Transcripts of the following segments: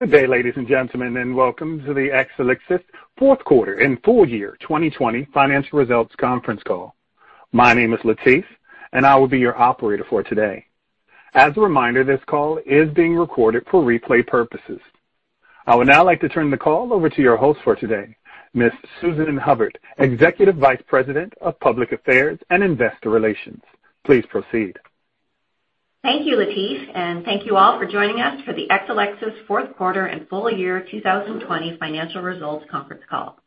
Good day, ladies and gentlemen, and welcome to the Exelixis Fourth Quarter and Full Year 2020 Financial Results Conference Call. My name is Latif, and I will be your operator for today. As a reminder, this call is being recorded for replay purposes. I would now like to turn the call over to your host for today, Ms. Susan Hubbard, Executive Vice President of Public Affairs and Investor Relations. Please proceed. Thank you, Latif, and thank you all for joining us for the Exelixis Fourth Quarter and Full Year 2020 Financial Results Conference Call.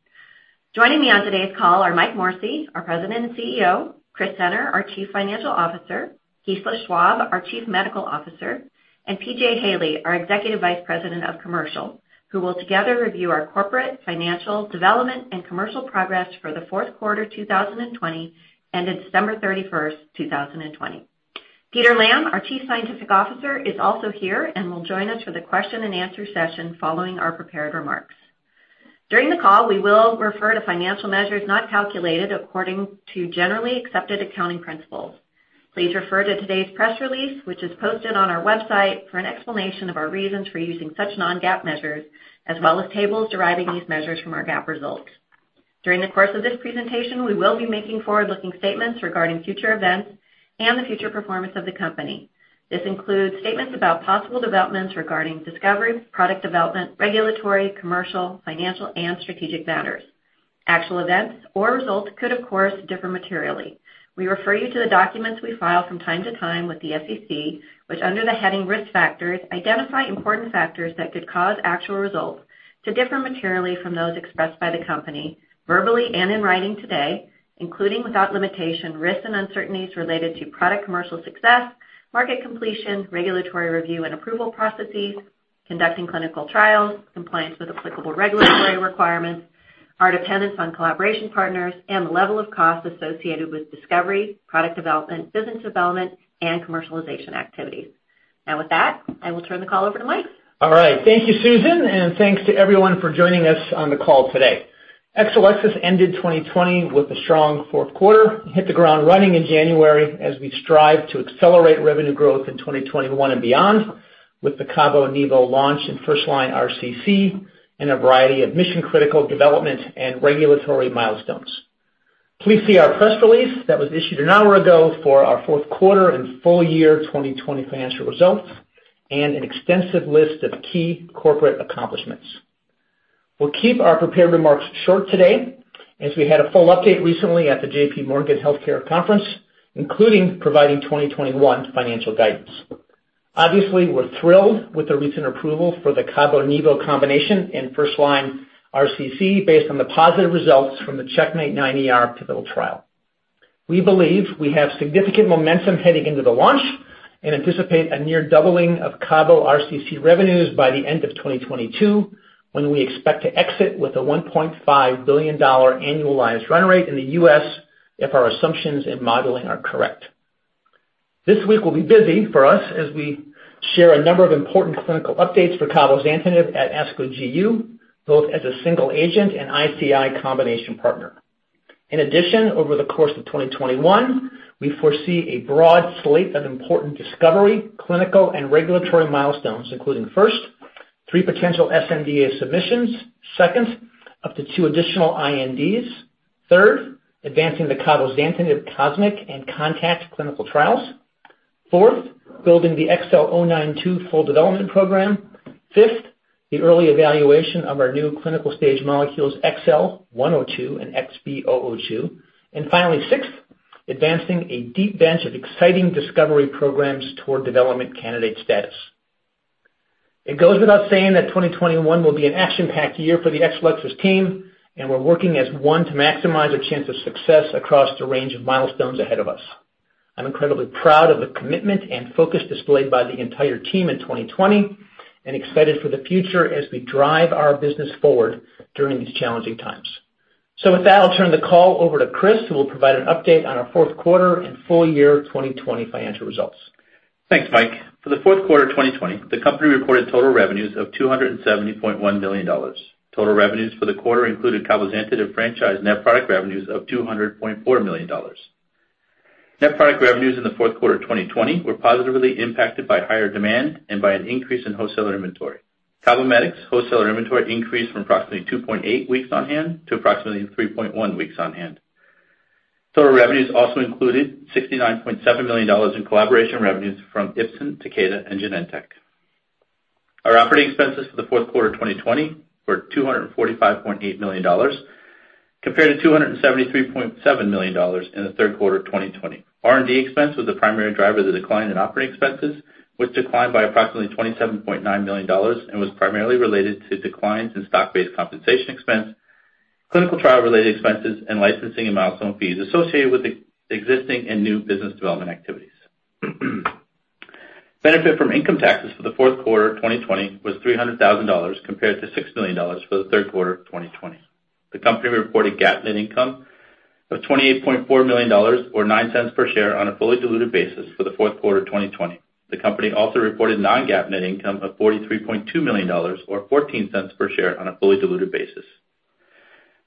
Joining me on today's call are Mike Morrissey, our President and CEO, Chris Senner, our Chief Financial Officer, Gisela Schwab, our Chief Medical Officer, and P.J. Haley, our Executive Vice President of Commercial, who will together review our corporate financial development and commercial progress for the Fourth Quarter 2020 ended December 31, 2020. Peter Lamb, our Chief Scientific Officer, is also here and will join us for the question and answer session following our prepared remarks. During the call, we will refer to financial measures not calculated according to generally accepted accounting principles. Please refer to today's press release, which is posted on our website, for an explanation of our reasons for using such non-GAAP measures, as well as tables deriving these measures from our GAAP results. During the course of this presentation, we will be making forward-looking statements regarding future events and the future performance of the company. This includes statements about possible developments regarding discovery, product development, regulatory, commercial, financial, and strategic matters. Actual events or results could, of course, differ materially. We refer you to the documents we file from time to time with the SEC, which, under the heading Risk Factors, identify important factors that could cause actual results to differ materially from those expressed by the company verbally and in writing today, including without limitation risks and uncertainties related to product commercial success, market competition, regulatory review and approval processes, conducting clinical trials, compliance with applicable regulatory requirements, our dependence on collaboration partners, and the level of cost associated with discovery, product development, business development, and commercialization activities, and with that, I will turn the call over to Mike. All right. Thank you, Susan, and thanks to everyone for joining us on the call today. Exelixis ended 2020 with a strong fourth quarter and hit the ground running in January as we strive to accelerate revenue growth in 2021 and beyond with the Cabo + Nivo launch and first-line RCC and a variety of mission-critical developments and regulatory milestones. Please see our press release that was issued an hour ago for our fourth quarter and full year 2020 financial results and an extensive list of key corporate accomplishments. We'll keep our prepared remarks short today as we had a full update recently at the J.P. Morgan Healthcare Conference, including providing 2021 financial guidance. Obviously, we're thrilled with the recent approval for the Cabo + Nivo combination and first-line RCC based on the positive results from the CheckMate 9ER pivotal trial. We believe we have significant momentum heading into the launch and anticipate a near doubling of Cabo RCC revenues by the end of 2022 when we expect to exit with a $1.5 billion annualized run rate in the U.S. if our assumptions and modeling are correct. This week will be busy for us as we share a number of important clinical updates for cabozantinib at ASCO GU, both as a single agent and ICI combination partner. In addition, over the course of 2021, we foresee a broad slate of important discovery, clinical, and regulatory milestones, including: first, three potential sNDA submissions, second, up to two additional INDs, third, advancing the cabozantinib COSMIC and CONTACT clinical trials, fourth, building the XL-092 full development program, fifth, the early evaluation of our new clinical stage molecules XL-102 and XB002, and finally, sixth, advancing a deep bench of exciting discovery programs toward development candidate status. It goes without saying that 2021 will be an action-packed year for the Exelixis team, and we're working as one to maximize our chance of success across the range of milestones ahead of us. I'm incredibly proud of the commitment and focus displayed by the entire team in 2020 and excited for the future as we drive our business forward during these challenging times. So with that, I'll turn the call over to Chris, who will provide an update on our fourth quarter and full year 2020 financial results. Thanks, Mike. For the Fourth Quarter 2020, the company reported total revenues of $270.1 million. Total revenues for the quarter included Cabometyx cabozantinib franchise net product revenues of $200.4 million. Net product revenues in the Fourth Quarter 2020 were positively impacted by higher demand and by an increase in wholesale inventory. Cabometyx wholesale inventory increased from approximately 2.8 weeks on hand to approximately 3.1 weeks on hand. Total revenues also included $69.7 million in collaboration revenues from Ipsen, Takeda, and Genentech. Our operating expenses for the Fourth Quarter 2020 were $245.8 million, compared to $273.7 million in the Third Quarter 2020. R&D expense was the primary driver of the decline in operating expenses, which declined by approximately $27.9 million and was primarily related to declines in stock-based compensation expense, clinical trial-related expenses, and licensing and milestone fees associated with existing and new business development activities. Benefit from income taxes for the Fourth Quarter 2020 was $300,000, compared to $6 million for the Third Quarter 2020. The company reported GAAP net income of $28.4 million, or $0.09 per share, on a fully diluted basis for the Fourth Quarter 2020. The company also reported non-GAAP net income of $43.2 million, or $0.14 per share, on a fully diluted basis.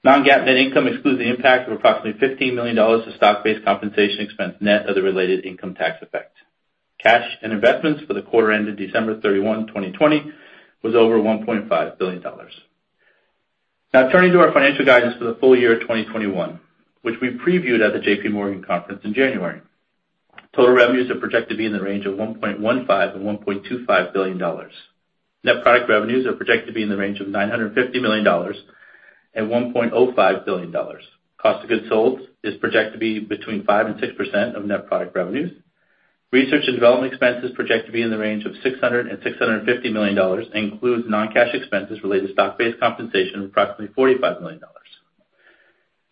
Non-GAAP net income excludes the impact of approximately $15 million of stock-based compensation expense net of the related income tax effect. Cash and investments for the quarter-ending December 31, 2020, was over $1.5 billion. Now, turning to our financial guidance for the full year 2021, which we previewed at the J.P. Morgan Conference in January, total revenues are projected to be in the range of $1.15-$1.25 billion. Net product revenues are projected to be in the range of $950 million-$1.05 billion. Cost of goods sold is projected to be between 5% and 6% of net product revenues. Research and development expenses are projected to be in the range of $600-$650 million and include non-cash expenses related to stock-based compensation of approximately $45 million.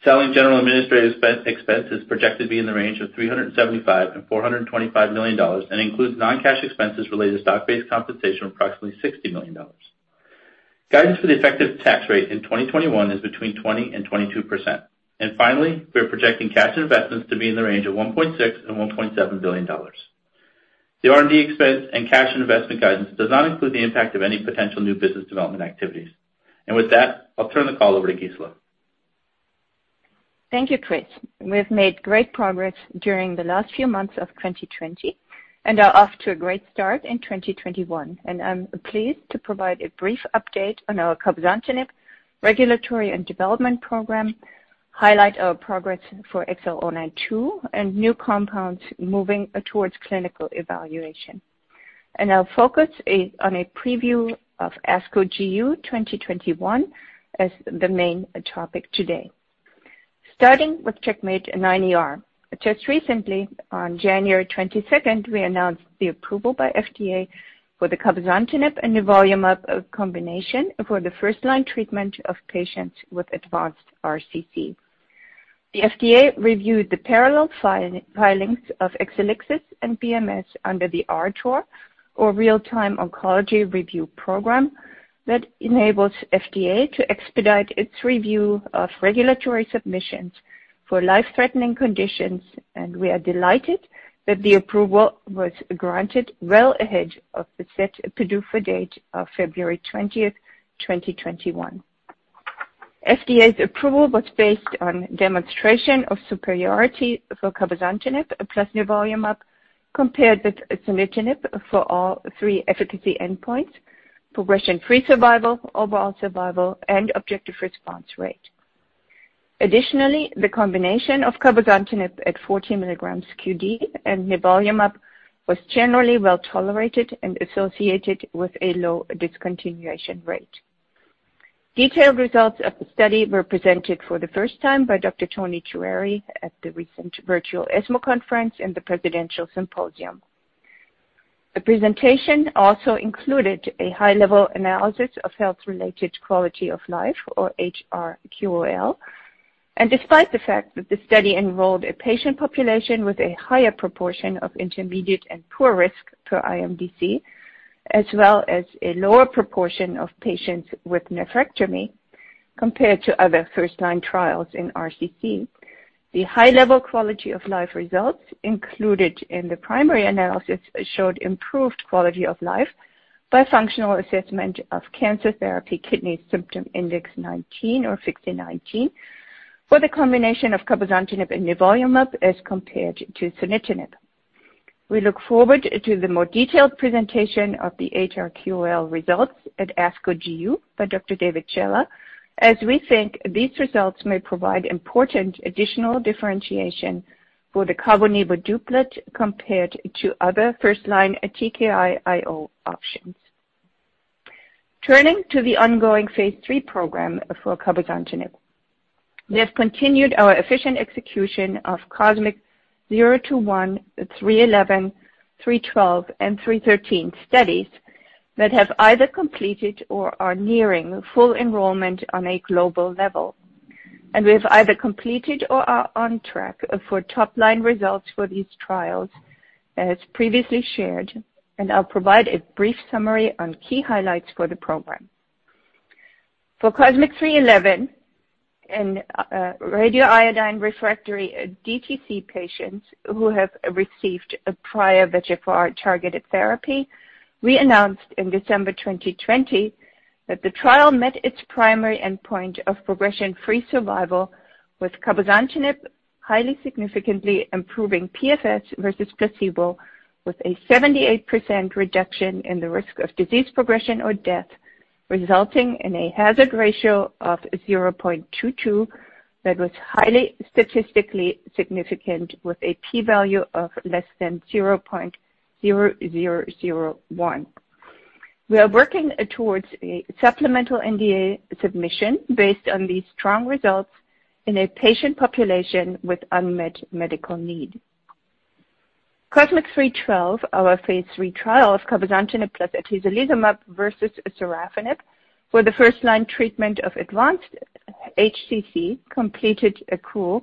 Selling, general, and administrative expenses are projected to be in the range of $375-$425 million and include non-cash expenses related to stock-based compensation of approximately $60 million. Guidance for the effective tax rate in 2021 is between 20% and 22%. And finally, we're projecting cash and investments to be in the range of $1.6-$1.7 billion. The R&D expense and cash and investment guidance does not include the impact of any potential new business development activities. And with that, I'll turn the call over to Gisela. Thank you, Chris. We've made great progress during the last few months of 2020 and are off to a great start in 2021. I'm pleased to provide a brief update on our cabozantinib regulatory and development program, highlight our progress for XL-092 and new compounds moving towards clinical evaluation. Our focus is on a preview of ASCO GU 2021 as the main topic today. Starting with CheckMate 9ER, just recently, on January 22, we announced the approval by FDA for the cabozantinib and nivolumab combination for the first-line treatment of patients with advanced RCC. The FDA reviewed the parallel filings of Exelixis and BMS under the RTOR, or Real-Time Oncology Review Program, that enables FDA to expedite its review of regulatory submissions for life-threatening conditions. We are delighted that the approval was granted well ahead of the set PDUFA date of February 20, 2021. FDA's approval was based on demonstration of superiority for cabozantinib plus nivolumab compared with sunitinib for all three efficacy endpoints: progression-free survival, overall survival, and objective response rate. Additionally, the combination of cabozantinib at 40 milligrams q.d. and nivolumab was generally well tolerated and associated with a low discontinuation rate. Detailed results of the study were presented for the first time by Dr. Toni Choueiri at the recent virtual ESMO Conference and the Presidential Symposium. The presentation also included a high-level analysis of health-related quality of life, or HRQOL. Despite the fact that the study enrolled a patient population with a higher proportion of intermediate and poor risk per IMDC, as well as a lower proportion of patients with nephrectomy compared to other first-line trials in RCC, the high-level quality of life results included in the primary analysis showed improved quality of life by functional assessment of cancer therapy kidney symptom index 19, or FKSI-19, for the combination of cabozantinib and nivolumab as compared to sunitinib. We look forward to the more detailed presentation of the HRQOL results at ASCO GU by Dr. David Cella, as we think these results may provide important additional differentiation for the cabozantinib-nivolumab douplet compared to other first-line TKI/IO options. Turning to the ongoing phase III program for cabozantinib, we have continued our efficient execution of COSMIC-021, -311, -312, and -313 studies that have either completed or are nearing full enrollment on a global level, and we have either completed or are on track for top-line results for these trials, as previously shared, and I'll provide a brief summary on key highlights for the program. For COSMIC-311 and radioiodine refractory DTC patients who have received a prior VEGFR targeted therapy, we announced in December 2020 that the trial met its primary endpoint of progression-free survival, with cabozantinib highly significantly improving PFS versus placebo with a 78% reduction in the risk of disease progression or death, resulting in a hazard ratio of 0.22 that was highly statistically significant, with a p-value of less than 0.0001. We are working towards a supplemental NDA submission based on these strong results in a patient population with unmet medical need. COSMIC-312, our phase III trial of cabozantinib plus atezolizumab versus sorafenib for the first-line treatment of advanced HCC, completed accrual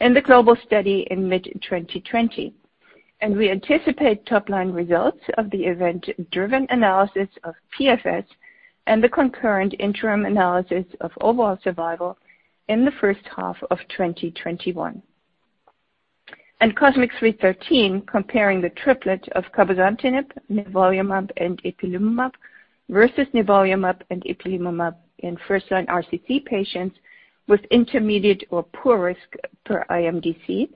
in the global study in mid-2020. And we anticipate top-line results of the event-driven analysis of PFS and the concurrent interim analysis of overall survival in the first half of 2021. And COSMIC-313, comparing the triplet of cabozantinib, nivolumab, and ipilimumab versus nivolumab and ipilimumab in first-line RCC patients with intermediate or poor risk per IMDC,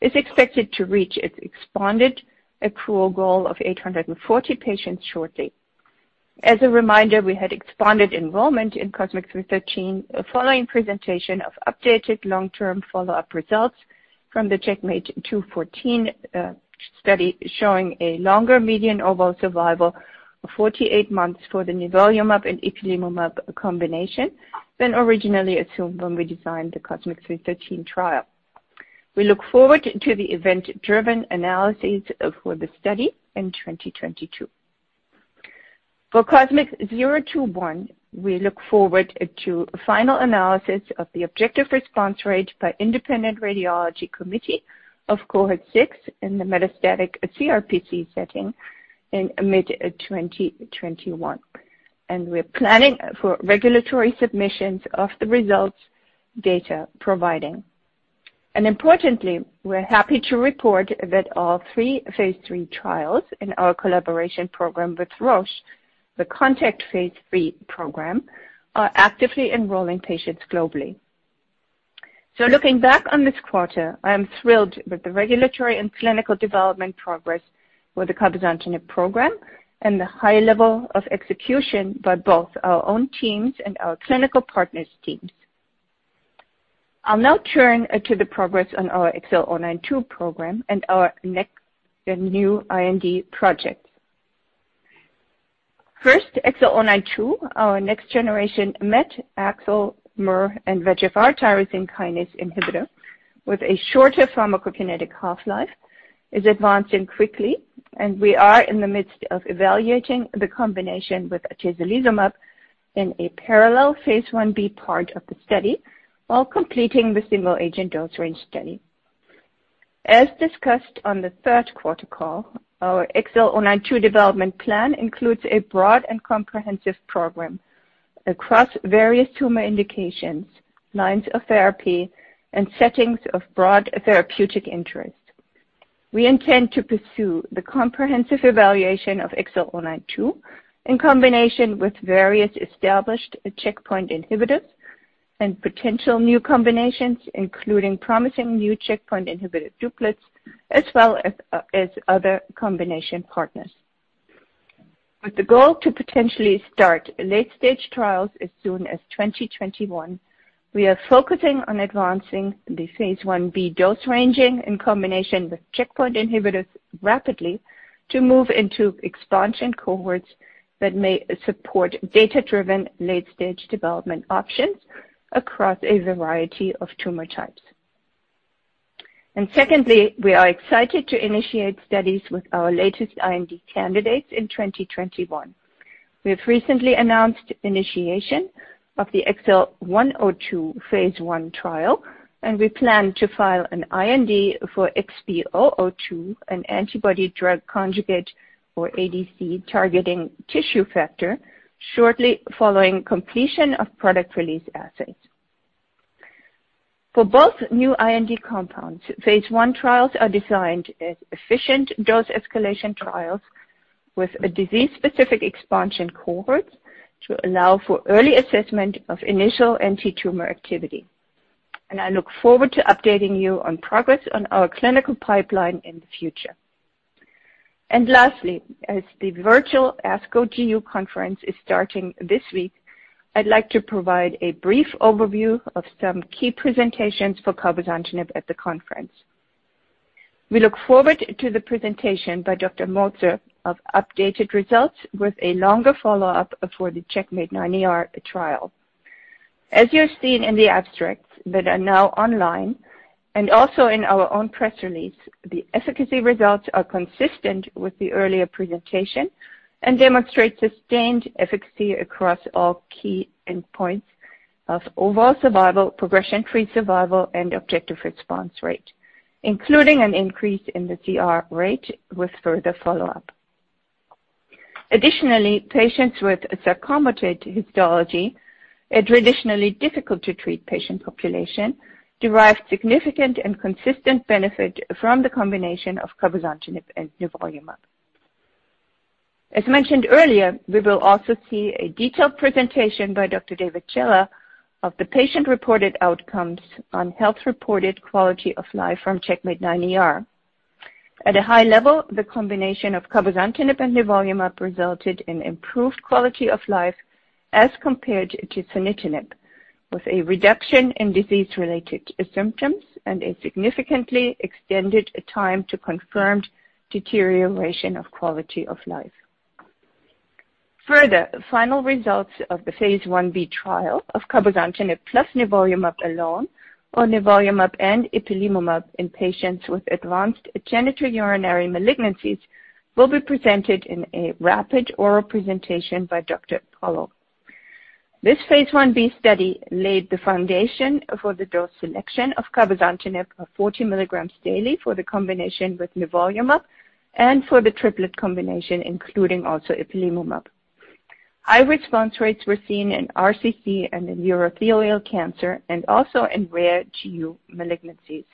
is expected to reach its expanded accrual goal of 840 patients shortly. As a reminder, we had expanded enrollment in COSMIC-313 following presentation of updated long-term follow-up results from the CheckMate 214 study showing a longer median overall survival of 48 months for the nivolumab and ipilimumab combination than originally assumed when we designed the COSMIC-313 trial. We look forward to the event-driven analyses for the study in 2022. For COSMIC-021, we look forward to final analysis of the objective response rate by the Independent Radiology Committee of Cohort 6 in the metastatic CRPC setting in mid-2021. And we're planning for regulatory submissions of the results data providing. And importantly, we're happy to report that all three phase III trials in our collaboration program with Roche, the CONTACT phase III program, are actively enrolling patients globally. Looking back on this quarter, I am thrilled with the regulatory and clinical development progress for the Cabozantinib program and the high level of execution by both our own teams and our clinical partners' teams. I'll now turn to the progress on our XL-092 program and our new IND projects. First, XL-092, our next-generation MET inhibitor and VEGFR tyrosine kinase inhibitor with a shorter pharmacokinetic half-life, is advancing quickly. We are in the midst of evaluating the combination with atezolizumab in a parallel phase 1b part of the study while completing the single-agent dose range study. As discussed on the third quarter call, our XL-092 development plan includes a broad and comprehensive program across various tumor indications, lines of therapy, and settings of broad therapeutic interest. We intend to pursue the comprehensive evaluation of XL-092 in combination with various established checkpoint inhibitors and potential new combinations, including promising new checkpoint inhibitor duplets, as well as other combination partners. With the goal to potentially start late-stage trials as soon as 2021, we are focusing on advancing the phase I B dose ranging in combination with checkpoint inhibitors rapidly to move into expansion cohorts that may support data-driven late-stage development options across a variety of tumor types. Secondly, we are excited to initiate studies with our latest IND candidates in 2021. We have recently announced the initiation of the XL-102 phase I trial. We plan to file an IND for XB002, an antibody-drug conjugate, or ADC targeting tissue factor, shortly following completion of product release assays. For both new IND compounds, phase I trials are designed as efficient dose escalation trials with disease-specific expansion cohorts to allow for early assessment of initial anti-tumor activity, and I look forward to updating you on progress on our clinical pipeline in the future. Lastly, as the virtual ASCO GU Conference is starting this week, I'd like to provide a brief overview of some key presentations for cabozantinib at the conference. We look forward to the presentation by Dr. Motzer of updated results with a longer follow-up for the CheckMate 9ER trial. As you've seen in the abstracts that are now online and also in our own press release, the efficacy results are consistent with the earlier presentation and demonstrate sustained efficacy across all key endpoints of overall survival, progression-free survival, and objective response rate, including an increase in the CR rate with further follow-up. Additionally, patients with sarcomatoid histology, a traditionally difficult-to-treat patient population, derived significant and consistent benefit from the combination of cabozantinib and nivolumab. As mentioned earlier, we will also see a detailed presentation by Dr. David Cella of the patient-reported outcomes on health-related quality of life from CheckMate 9ER. At a high level, the combination of cabozantinib and nivolumab resulted in improved quality of life as compared to sunitinib, with a reduction in disease-related symptoms and a significantly extended time to confirmed deterioration of quality of life. Further, final results of the phase I B trial of cabozantinib plus nivolumab alone, or nivolumab and ipilimumab in patients with advanced genitourinary malignancies will be presented in a rapid oral presentation by Dr. Sumanta Pal. This phase I B study laid the foundation for the dose selection of cabozantinib 40 milligrams daily for the combination with nivolumab and for the triplet combination, including also ipilimumab. High response rates were seen in RCC and in urothelial cancer and also in rare GU malignancies.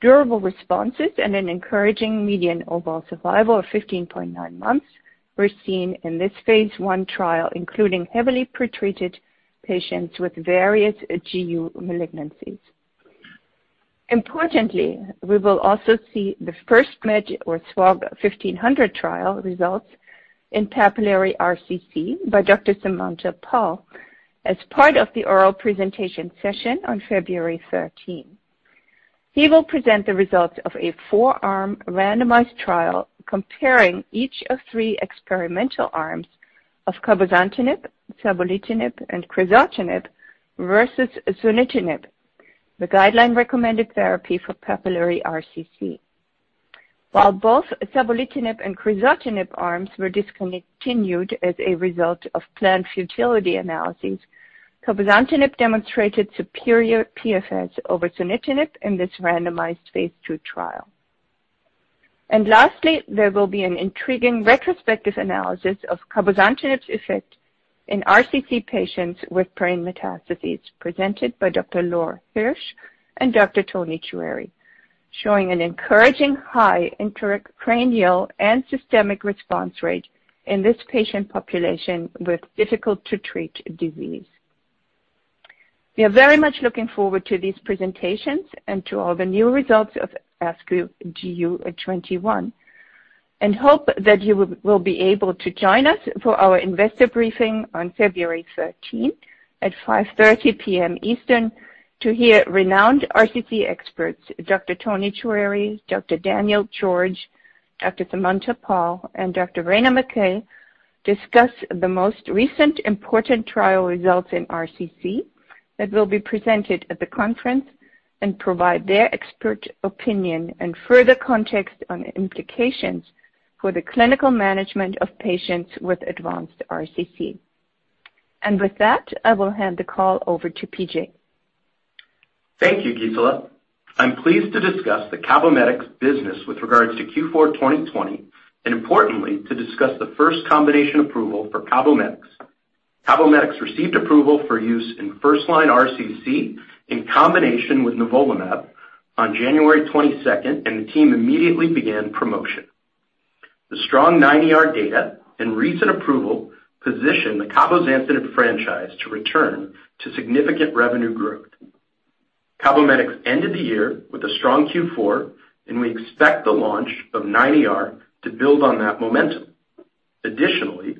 Durable responses and an encouraging median overall survival of 15.9 months were seen in this phase I trial, including heavily pretreated patients with various GU malignancies. Importantly, we will also see the first PAPMET or SWOG 1500 trial results in papillary RCC by Dr. Sumanta Pal as part of the oral presentation session on February 13. He will present the results of a four-arm randomized trial comparing each of three experimental arms of cabozantinib, savolitinib, and crizotinib versus sunitinib, the guideline-recommended therapy for papillary RCC. While both savolitinib and crizotinib arms were discontinued as a result of planned futility analyses, cabozantinib demonstrated superior PFS over sunitinib in this randomized phase II trial. Lastly, there will be an intriguing retrospective analysis of cabozantinib's effect in RCC patients with brain metastases presented by Dr. Laure Hirsch and Dr. Toni Choueiri showing an encouraging high intracranial and systemic response rate in this patient population with difficult-to-treat disease. We are very much looking forward to these presentations and to all the new results of ASCO GU 21 and hope that you will be able to join us for our investor briefing on February 13 at 5:30 P.M. Eastern to hear renowned RCC experts, Dr. Toni Choueiri, Dr. Daniel George, Dr. Sumanta Pal, and Dr. Rana McKay discuss the most recent important trial results in RCC that will be presented at the conference and provide their expert opinion and further context on implications for the clinical management of patients with advanced RCC. With that, I will hand the call over to P.J. Thank you, Gisela. I'm pleased to discuss the Cabometyx business with regards to Q4 2020 and, importantly, to discuss the first combination approval for Cabometyx. Cabometyx received approval for use in first-line RCC in combination with nivolumab on January 22, and the team immediately began promotion. The strong 9ER data and recent approval position the Cabozantinib franchise to return to significant revenue growth. Cabometyx ended the year with a strong Q4, and we expect the launch of 9ER to build on that momentum. Additionally,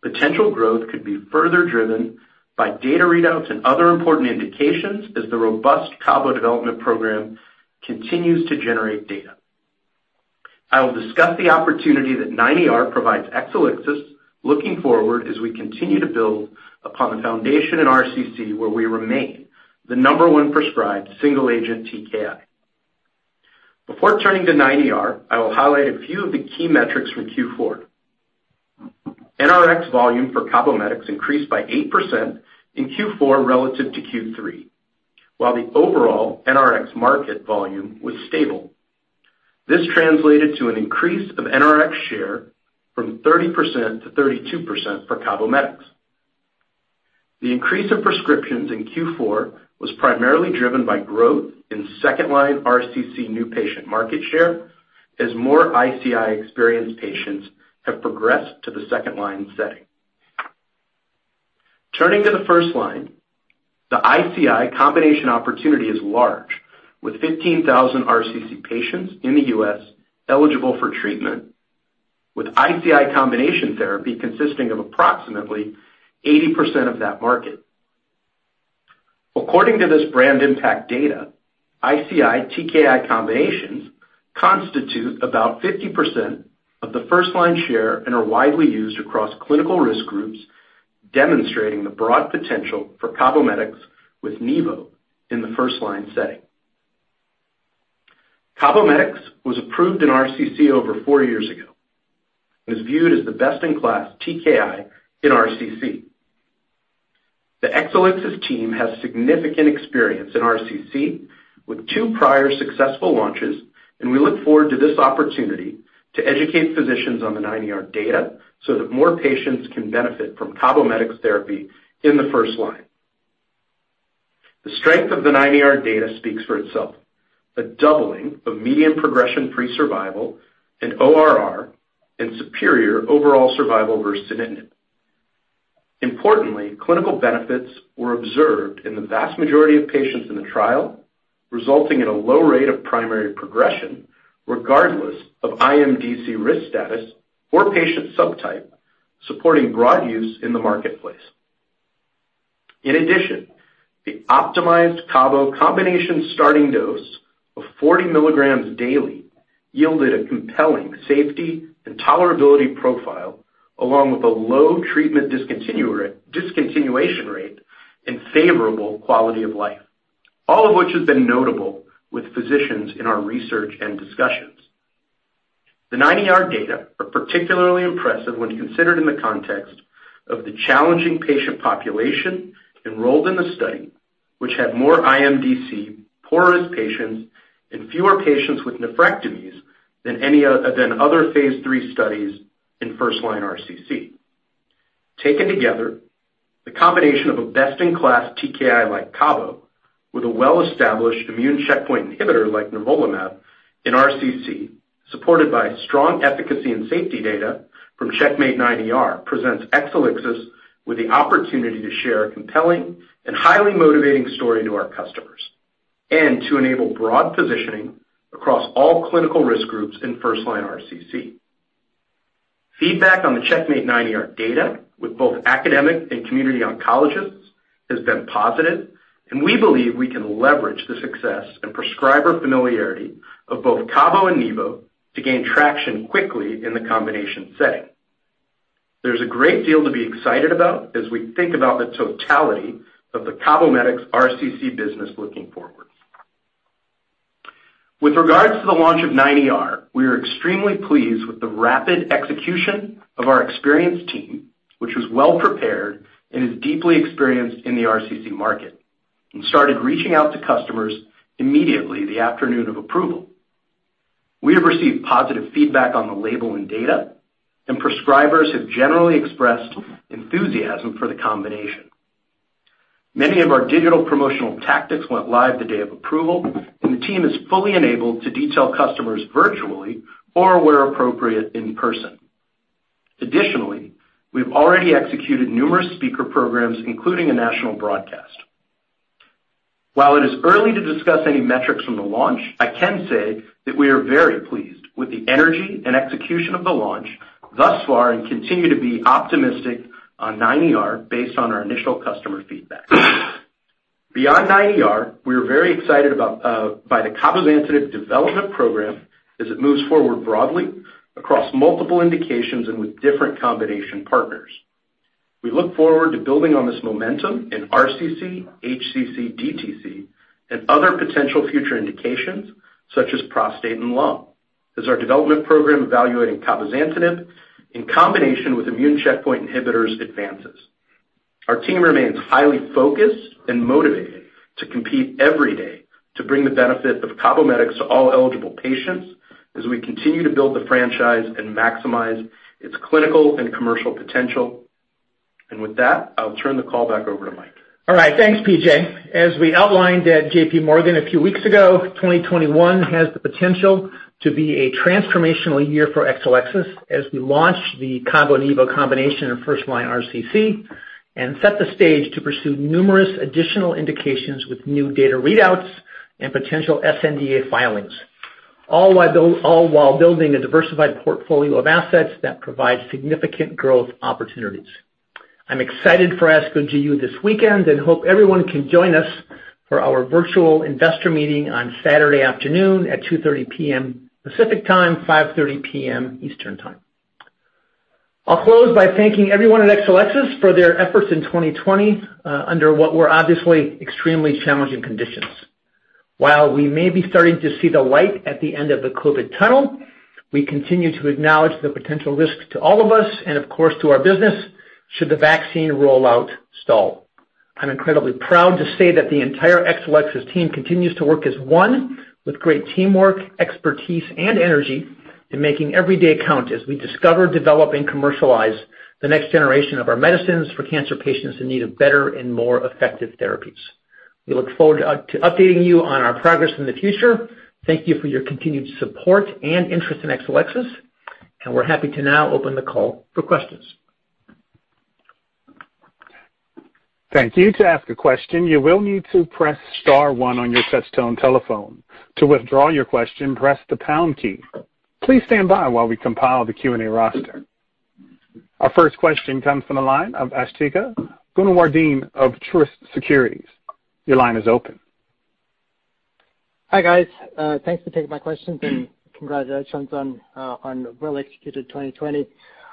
potential growth could be further driven by data readouts and other important indications as the robust Cabo development program continues to generate data. I will discuss the opportunity that 9ER provides Exelixis looking forward as we continue to build upon the foundation in RCC where we remain the number one prescribed single-agent TKI. Before turning to 9ER, I will highlight a few of the key metrics from Q4. NRX volume for Cabometyx increased by 8% in Q4 relative to Q3, while the overall NRX market volume was stable. This translated to an increase of NRX share from 30%-32% for Cabometyx. The increase in prescriptions in Q4 was primarily driven by growth in second-line RCC new patient market share as more ICI-experienced patients have progressed to the second-line setting. Turning to the first line, the ICI combination opportunity is large, with 15,000 RCC patients in the U.S. eligible for treatment, with ICI combination therapy consisting of approximately 80% of that market. According to this brand impact data, ICI TKI combinations constitute about 50% of the first-line share and are widely used across clinical risk groups, demonstrating the broad potential for Cabometyx with nivo in the first-line setting. Cabometyx was approved in RCC over four years ago and is viewed as the best-in-class TKI in RCC. The Exelixis team has significant experience in RCC with two prior successful launches, and we look forward to this opportunity to educate physicians on the 9ER data so that more patients can benefit from Cabometyx therapy in the first line. The strength of the 9ER data speaks for itself: the doubling of median progression-free survival and ORR and superior overall survival versus sunitinib. Importantly, clinical benefits were observed in the vast majority of patients in the trial, resulting in a low rate of primary progression regardless of IMDC risk status or patient subtype, supporting broad use in the marketplace. In addition, the optimized Cabo combination starting dose of 40 milligrams daily yielded a compelling safety and tolerability profile, along with a low treatment discontinuation rate and favorable quality of life, all of which has been notable with physicians in our research and discussions. The 9ER data are particularly impressive when considered in the context of the challenging patient population enrolled in the study, which had more IMDC, poorest patients, and fewer patients with nephrectomies than any other phase III studies in first-line RCC. Taken together, the combination of a best-in-class TKI like Cabo with a well-established immune checkpoint inhibitor like nivolumab in RCC, supported by strong efficacy and safety data from CheckMate 9ER, presents Exelixis with the opportunity to share a compelling and highly motivating story to our customers and to enable broad positioning across all clinical risk groups in first-line RCC. Feedback on the CheckMate 9ER data with both academic and community oncologists has been positive, and we believe we can leverage the success and prescriber familiarity of both Cabo and Nivo to gain traction quickly in the combination setting. There's a great deal to be excited about as we think about the totality of the Cabometyx RCC business looking forward. With regards to the launch of 9ER, we are extremely pleased with the rapid execution of our experienced team, which was well-prepared and is deeply experienced in the RCC market and started reaching out to customers immediately the afternoon of approval. We have received positive feedback on the label and data, and prescribers have generally expressed enthusiasm for the combination. Many of our digital promotional tactics went live the day of approval, and the team is fully enabled to detail customers virtually or where appropriate in person. Additionally, we've already executed numerous speaker programs, including a national broadcast. While it is early to discuss any metrics from the launch, I can say that we are very pleased with the energy and execution of the launch thus far and continue to be optimistic on 9ER based on our initial customer feedback. Beyond 9ER, we are very excited by the Cabozantinib development program as it moves forward broadly across multiple indications and with different combination partners. We look forward to building on this momentum in RCC, HCC, DTC, and other potential future indications such as prostate and lung as our development program evaluating Cabozantinib in combination with immune checkpoint inhibitors advances. Our team remains highly focused and motivated to compete every day to bring the benefit of Cabometyx to all eligible patients as we continue to build the franchise and maximize its clinical and commercial potential, and with that, I'll turn the call back over to Mike. All right. Thanks, PJ. As we outlined at J.P. Morgan a few weeks ago, 2021 has the potential to be a transformational year for Exelixis as we launch the Cabo/Nivo combination in first-line RCC and set the stage to pursue numerous additional indications with new data readouts and potential SNDA filings, all while building a diversified portfolio of assets that provide significant growth opportunities. I'm excited for ASCO GU this weekend and hope everyone can join us for our virtual investor meeting on Saturday afternoon at 2:30 P.M. Pacific Time, 5:30 P.M. Eastern Time. I'll close by thanking everyone at Exelixis for their efforts in 2020 under what were obviously extremely challenging conditions. While we may be starting to see the light at the end of the COVID tunnel, we continue to acknowledge the potential risks to all of us and, of course, to our business should the vaccine rollout stall. I'm incredibly proud to say that the entire Exelixis team continues to work as one with great teamwork, expertise, and energy in making every day count as we discover, develop, and commercialize the next generation of our medicines for cancer patients in need of better and more effective therapies. We look forward to updating you on our progress in the future. Thank you for your continued support and interest in Exelixis, and we're happy to now open the call for questions. Thank you. To ask a question, you will need to press star one on your touch-tone telephone. To withdraw your question, press the pound key. Please stand by while we compile the Q&A roster. Our first question comes from the line of Asthika Goonewardene of Truist Securities. Your line is open. Hi, guys. Thanks for taking my questions and congratulations on well-executed 2020.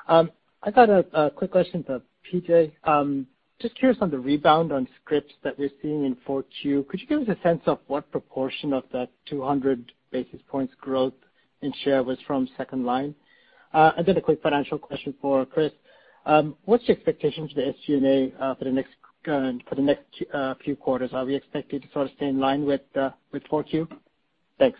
I've got a quick question for P.J. Just curious on the rebound on scripts that we're seeing in 4Q. Could you give us a sense of what proportion of that 200 basis points growth in share was from second line? And then a quick financial question for Chris. What's your expectation for the SG&A for the next few quarters? Are we expected to sort of stay in line with 4Q? Thanks.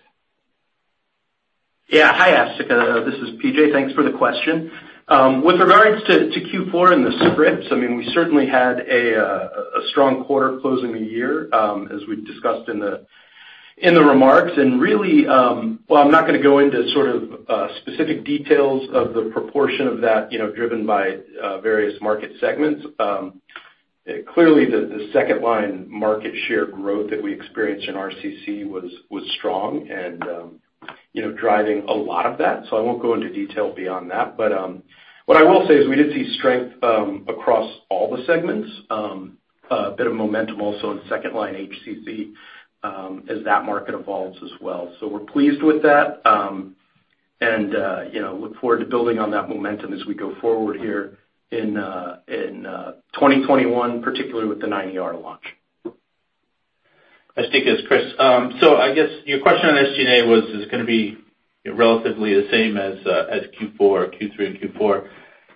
Yeah. Hi, Asthika. This is P.J. Thanks for the question. With regards to Q4 and the scripts, I mean, we certainly had a strong quarter closing the year as we discussed in the remarks, and really, well, I'm not going to go into sort of specific details of the proportion of that driven by various market segments. Clearly, the second-line market share growth that we experienced in RCC was strong and driving a lot of that. So I won't go into detail beyond that. But what I will say is we did see strength across all the segments, a bit of momentum also in second line HCC as that market evolves as well. So we're pleased with that and look forward to building on that momentum as we go forward here in 2021, particularly with the 9ER launch. Over to Chris. So I guess your question on SG&A was, is it going to be relatively the same as Q4, Q3, and Q4?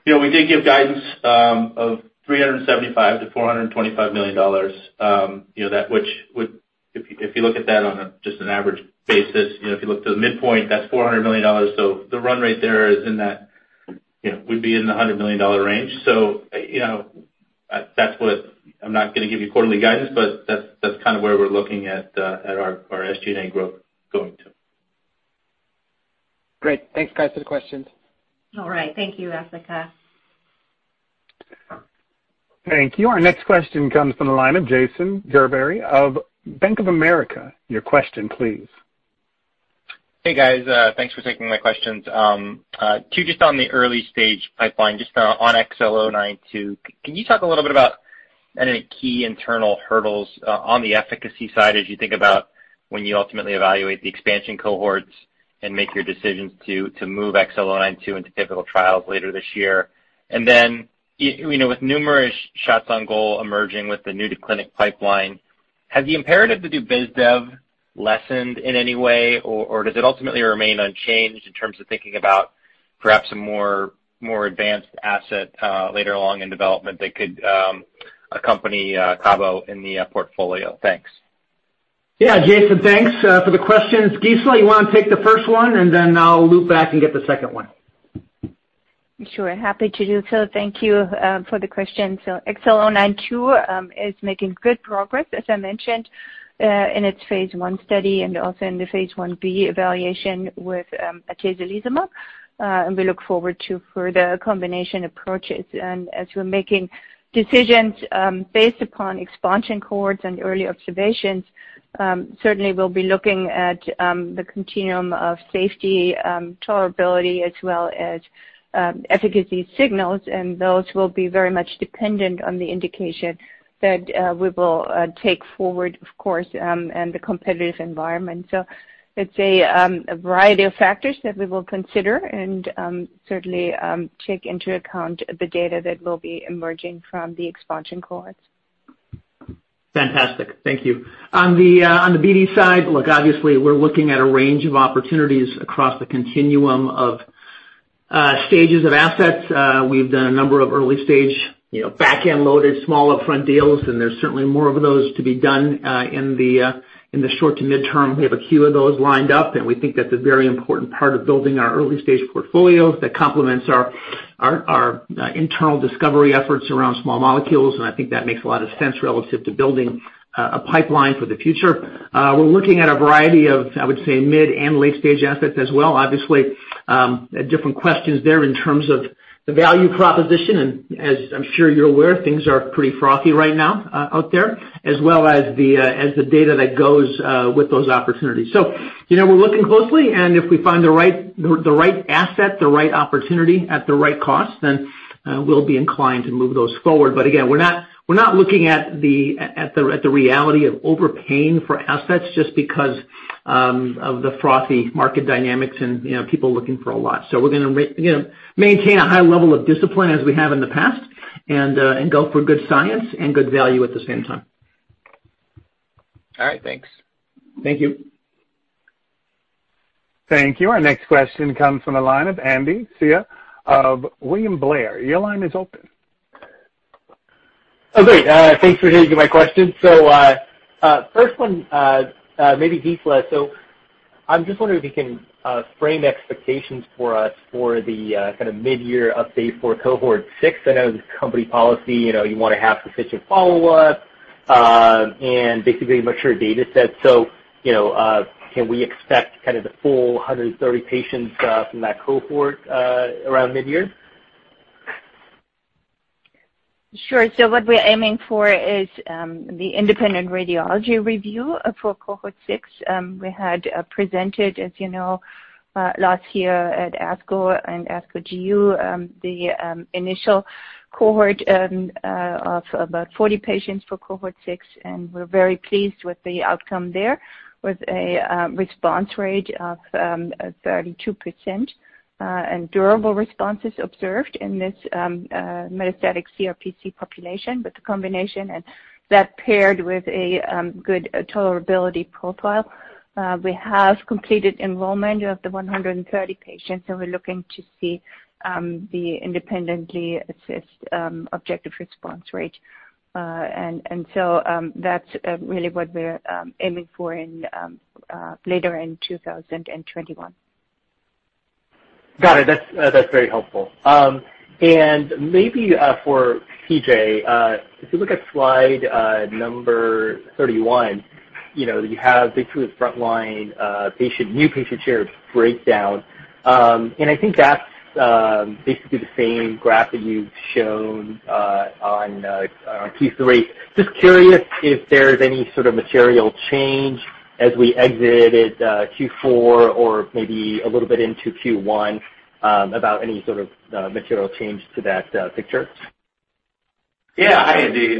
We did give guidance of $375-$425 million, which if you look at that on just an average basis, if you look to the midpoint, that's $400 million. So the run rate there would be in the $100 million range. So that's what I'm not going to give you quarterly guidance, but that's kind of where we're looking at our SG&A growth going to. Great. Thanks, guys, for the questions. All right. Thank you, Asthika. Thank you. Our next question comes from the line of Jason Gerbery of Bank of America. Your question, please. Hey, guys. Thanks for taking my questions. Quick, just on the early stage pipeline, just on XL-092, can you talk a little bit about any key internal hurdles on the efficacy side as you think about when you ultimately evaluate the expansion cohorts and make your decisions to move XL-092 into pivotal trials later this year? And then with numerous shots on goal emerging with the new-to-clinic pipeline, has the imperative to do biz dev lessened in any way, or does it ultimately remain unchanged in terms of thinking about perhaps a more advanced asset later along in development that could accompany Cabo in the portfolio? Thanks. Yeah, Jason, thanks for the questions. Gisela, you want to take the first one, and then I'll loop back and get the second one. Sure. Happy to do so. Thank you for the question. So XL-092 is making good progress, as I mentioned, in its phase I study and also in the phase I B evaluation with atezolizumab. And we look forward to further combination approaches. And as we're making decisions based upon expansion cohorts and early observations, certainly we'll be looking at the continuum of safety, tolerability, as well as efficacy signals, and those will be very much dependent on the indication that we will take forward, of course, and the competitive environment. So it's a variety of factors that we will consider and certainly take into account the data that will be emerging from the expansion cohorts. Fantastic. Thank you. On the BD side, look, obviously we're looking at a range of opportunities across the continuum of stages of assets. We've done a number of early stage back-end loaded small upfront deals, and there's certainly more of those to be done in the short to midterm. We have a queue of those lined up, and we think that's a very important part of building our early stage portfolio that complements our internal discovery efforts around small molecules. And I think that makes a lot of sense relative to building a pipeline for the future. We're looking at a variety of, I would say, mid and late stage assets as well. Obviously, different questions there in terms of the value proposition, and as I'm sure you're aware, things are pretty frothy right now out there, as well as the data that goes with those opportunities. So we're looking closely, and if we find the right asset, the right opportunity at the right cost, then we'll be inclined to move those forward. But again, we're not looking at the reality of overpaying for assets just because of the frothy market dynamics and people looking for a lot. So we're going to maintain a high level of discipline as we have in the past and go for good science and good value at the same time. All right. Thanks. Thank you. Thank you. Our next question comes from the line of Andy Hsieh of William Blair. Your line is open. Oh, great. Thanks for taking my question. So first one, maybe Gisela. So I'm just wondering if you can frame expectations for us for the kind of midyear update for cohort six. I know the company policy, you want to have sufficient follow-up and basically mature data sets. So can we expect kind of the full 130 patients from that cohort around midyear? Sure. So what we're aiming for is the independent radiology review for cohort six. We had presented, as you know, last year at ASCO and ASCO GU the initial cohort of about 40 patients for cohort six, and we're very pleased with the outcome there with a response rate of 32% and durable responses observed in this metastatic CRPC population with the combination and that paired with a good tolerability profile. We have completed enrollment of the 130 patients, and we're looking to see the independently assessed objective response rate. And so that's really what we're aiming for later in 2021. Got it. That's very helpful. And maybe for P.J., if you look at slide number 31, you have basically the front line new patient share breakdown. And I think that's basically the same graph that you've shown on Q3. Just curious if there's any sort of material change as we exit Q4 or maybe a little bit into Q1 about any sort of material change to that picture. Yeah. Hi, Andy.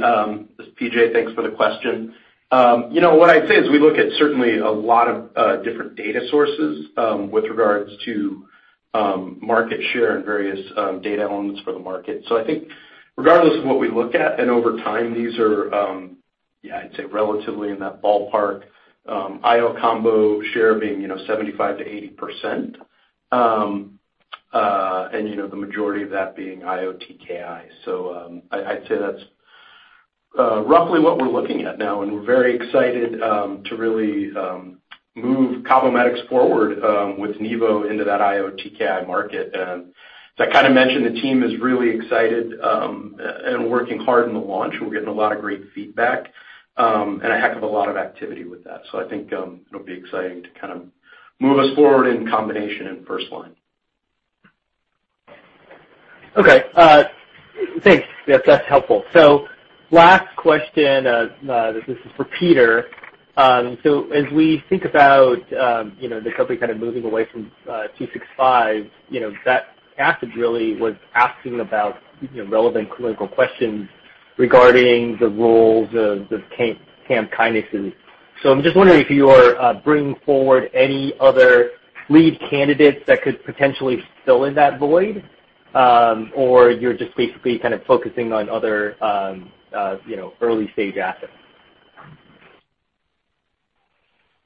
This is PJ. Thanks for the question. What I'd say is we look at certainly a lot of different data sources with regards to market share and various data elements for the market. So I think regardless of what we look at and over time, these are, yeah, I'd say relatively in that ballpark, IO combo share being 75%-80% and the majority of that being IOTKI. So I'd say that's roughly what we're looking at now, and we're very excited to really move Cabometyx forward with nivo into that IOTKI market, and as I kind of mentioned, the team is really excited and working hard in the launch. We're getting a lot of great feedback and a heck of a lot of activity with that. So I think it'll be exciting to kind of move us forward in combination and first line. Okay. Thanks. That's helpful. So last question, this is for Peter. So as we think about the company kind of moving away from XL-265, that asset really was asking about relevant clinical questions regarding the roles of cAMP kinase. So I'm just wondering if you are bringing forward any other lead candidates that could potentially fill in that void, or you're just basically kind of focusing on other early stage assets.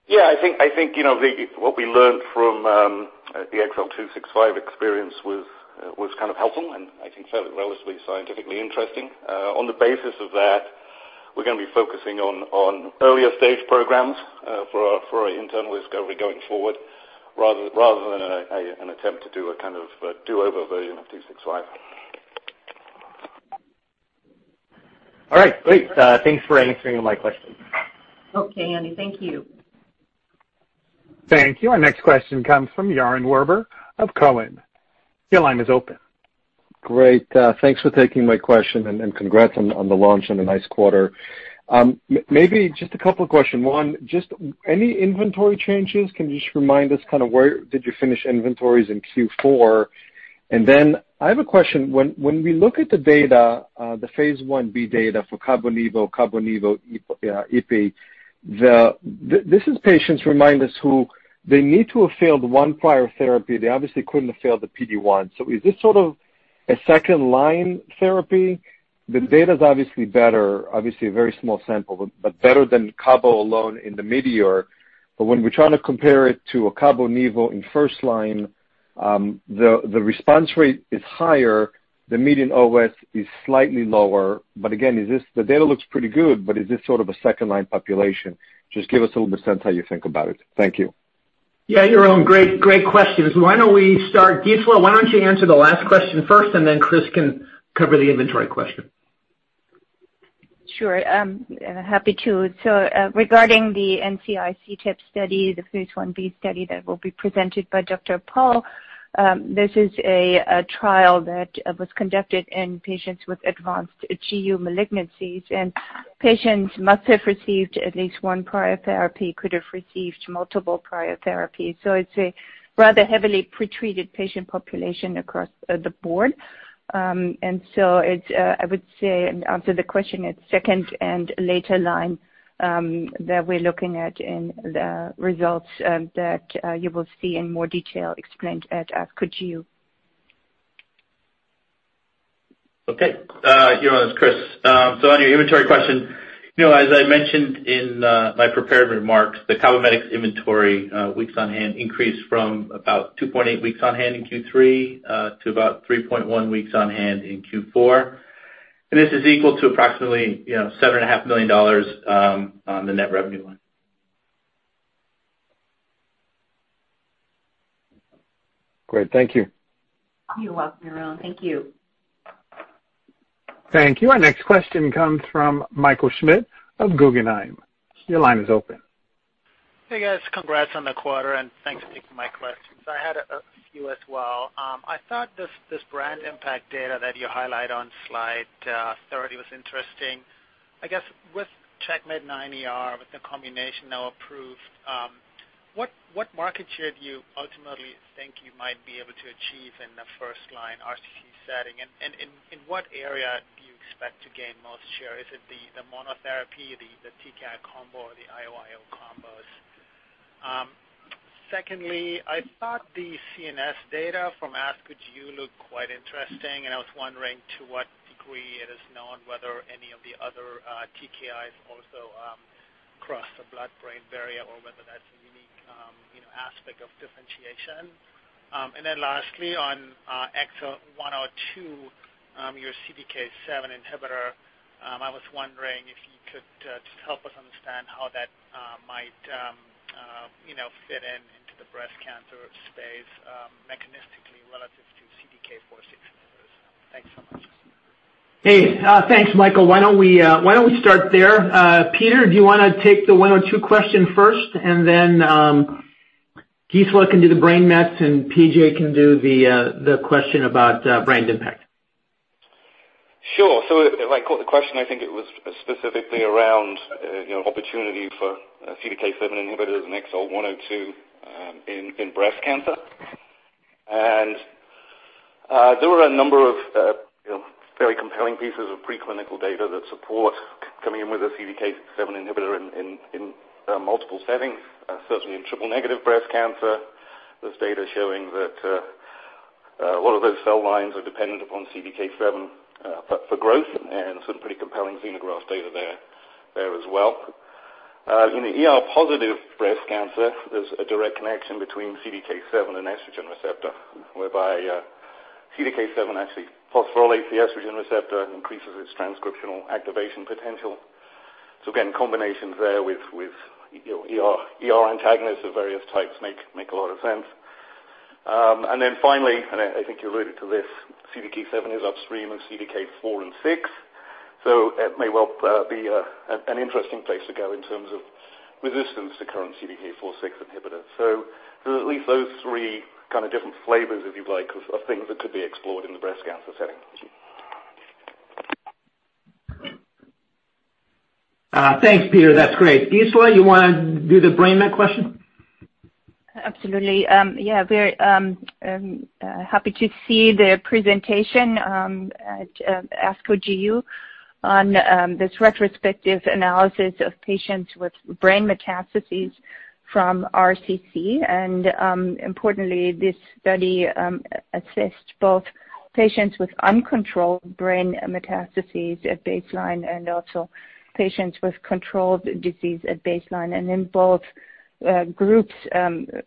Yeah. I think what we learned from the XL-265 experience was kind of helpful and I think fairly relatively scientifically interesting. On the basis of that, we're going to be focusing on earlier stage programs for our internal discovery going forward rather than an attempt to do a kind of do-over version of 265. All right. Great. Thanks for answering my question. Okay, Andy. Thank you. Thank you. Our next question comes from Yaron Werber of Cowen. Your line is open. Great. Thanks for taking my question and congrats on the launch in the nice quarter. Maybe just a couple of questions. One, just any inventory changes? Can you just remind us kind of where did you finish inventories in Q4? And then I have a question. When we look at the data, the phase 1b data for CaboNivo, CaboNivo, Ipi, this is patients, remind us who they need to have failed one prior therapy. They obviously couldn't have failed the PD-1. So is this sort of a second line therapy? The data is obviously better, obviously a very small sample, but better than Cabo alone in the midyear. But when we're trying to compare it to a CaboNivo in first line, the response rate is higher. The median OS is slightly lower. But again, the data looks pretty good, but is this sort of a second line population? Just give us a little bit of sense how you think about it. Thank you. Yeah. You're on. Great questions. Why don't we start? Gisela, why don't you answer the last question first, and then Chris can cover the inventory question. Sure. Happy to. So regarding the NCI CTEP study, the phase 1b study that will be presented by Dr. Pal, this is a trial that was conducted in patients with advanced GU malignancies. Patients must have received at least one prior therapy, could have received multiple prior therapies. It's a rather heavily pretreated patient population across the board. I would say, and answer the question, it's second and later line that we're looking at in the results that you will see in more detail explained at ASCO GU. Okay. Your turn, Chris. So on your inventory question, as I mentioned in my prepared remarks, the Cabometyx inventory weeks on hand increased from about 2.8 weeks on hand in Q3 to about 3.1 weeks on hand in Q4. And this is equal to approximately $7.5 million on the net revenue line. Great. Thank you. You're welcome. Thank you. Thank you. Our next question comes from Michael Schmidt of Guggenheim. Your line is open. Hey, guys. Congrats on the quarter, and thanks for taking my questions. I had a few as well. I thought this brand impact data that you highlight on slide 30 was interesting. I guess with CheckMate 9ER, with the combination now approved, what market share do you ultimately think you might be able to achieve in the first-line RCC setting? And in what area do you expect to gain most share? Is it the monotherapy, the TKI combo, or the IO-IO combos? Secondly, I thought the CNS data from ASCO GU looked quite interesting, and I was wondering to what degree it is known whether any of the other TKIs also cross the blood-brain barrier or whether that's a unique aspect of differentiation. And then lastly, on XL-102, your CDK7 inhibitor, I was wondering if you could just help us understand how that might fit into the breast cancer space mechanistically relative to CDK4/6 inhibitors. Thanks so much. Hey. Thanks, Michael. Why don't we start there? Peter, do you want to take the one or two question first, and then Gisela can do the brain mets, and PJ can do the question about brand impact? Sure. So the question, I think it was specifically around opportunity for CDK7 inhibitors and XL-102 in breast cancer. And there were a number of very compelling pieces of preclinical data that support coming in with a CDK7 inhibitor in multiple settings, certainly in triple negative breast cancer. There's data showing that a lot of those cell lines are dependent upon CDK7 for growth, and some pretty compelling xenograft data there as well. In the positive breast cancer, there's a direct connection between CDK7 and estrogen receptor, whereby CDK7 actually phosphorylates the estrogen receptor and increases its transcriptional activation potential. So again, combinations there with antagonists of various types make a lot of sense. And then finally, and I think you alluded to this, CDK7 is upstream of CDK4 and 6. So it may well be an interesting place to go in terms of resistance to current CDK4/6 inhibitors. So there's at least those three kind of different flavors, if you like, of things that could be explored in the breast cancer setting. Thanks, Peter. That's great. Gisela, you want to do the brain met question? Absolutely. Yeah. We're happy to see the presentation at ASCO GU on this retrospective analysis of patients with brain metastases from RCC. And importantly, this study assessed both patients with uncontrolled brain metastases at baseline and also patients with controlled disease at baseline. And in both groups,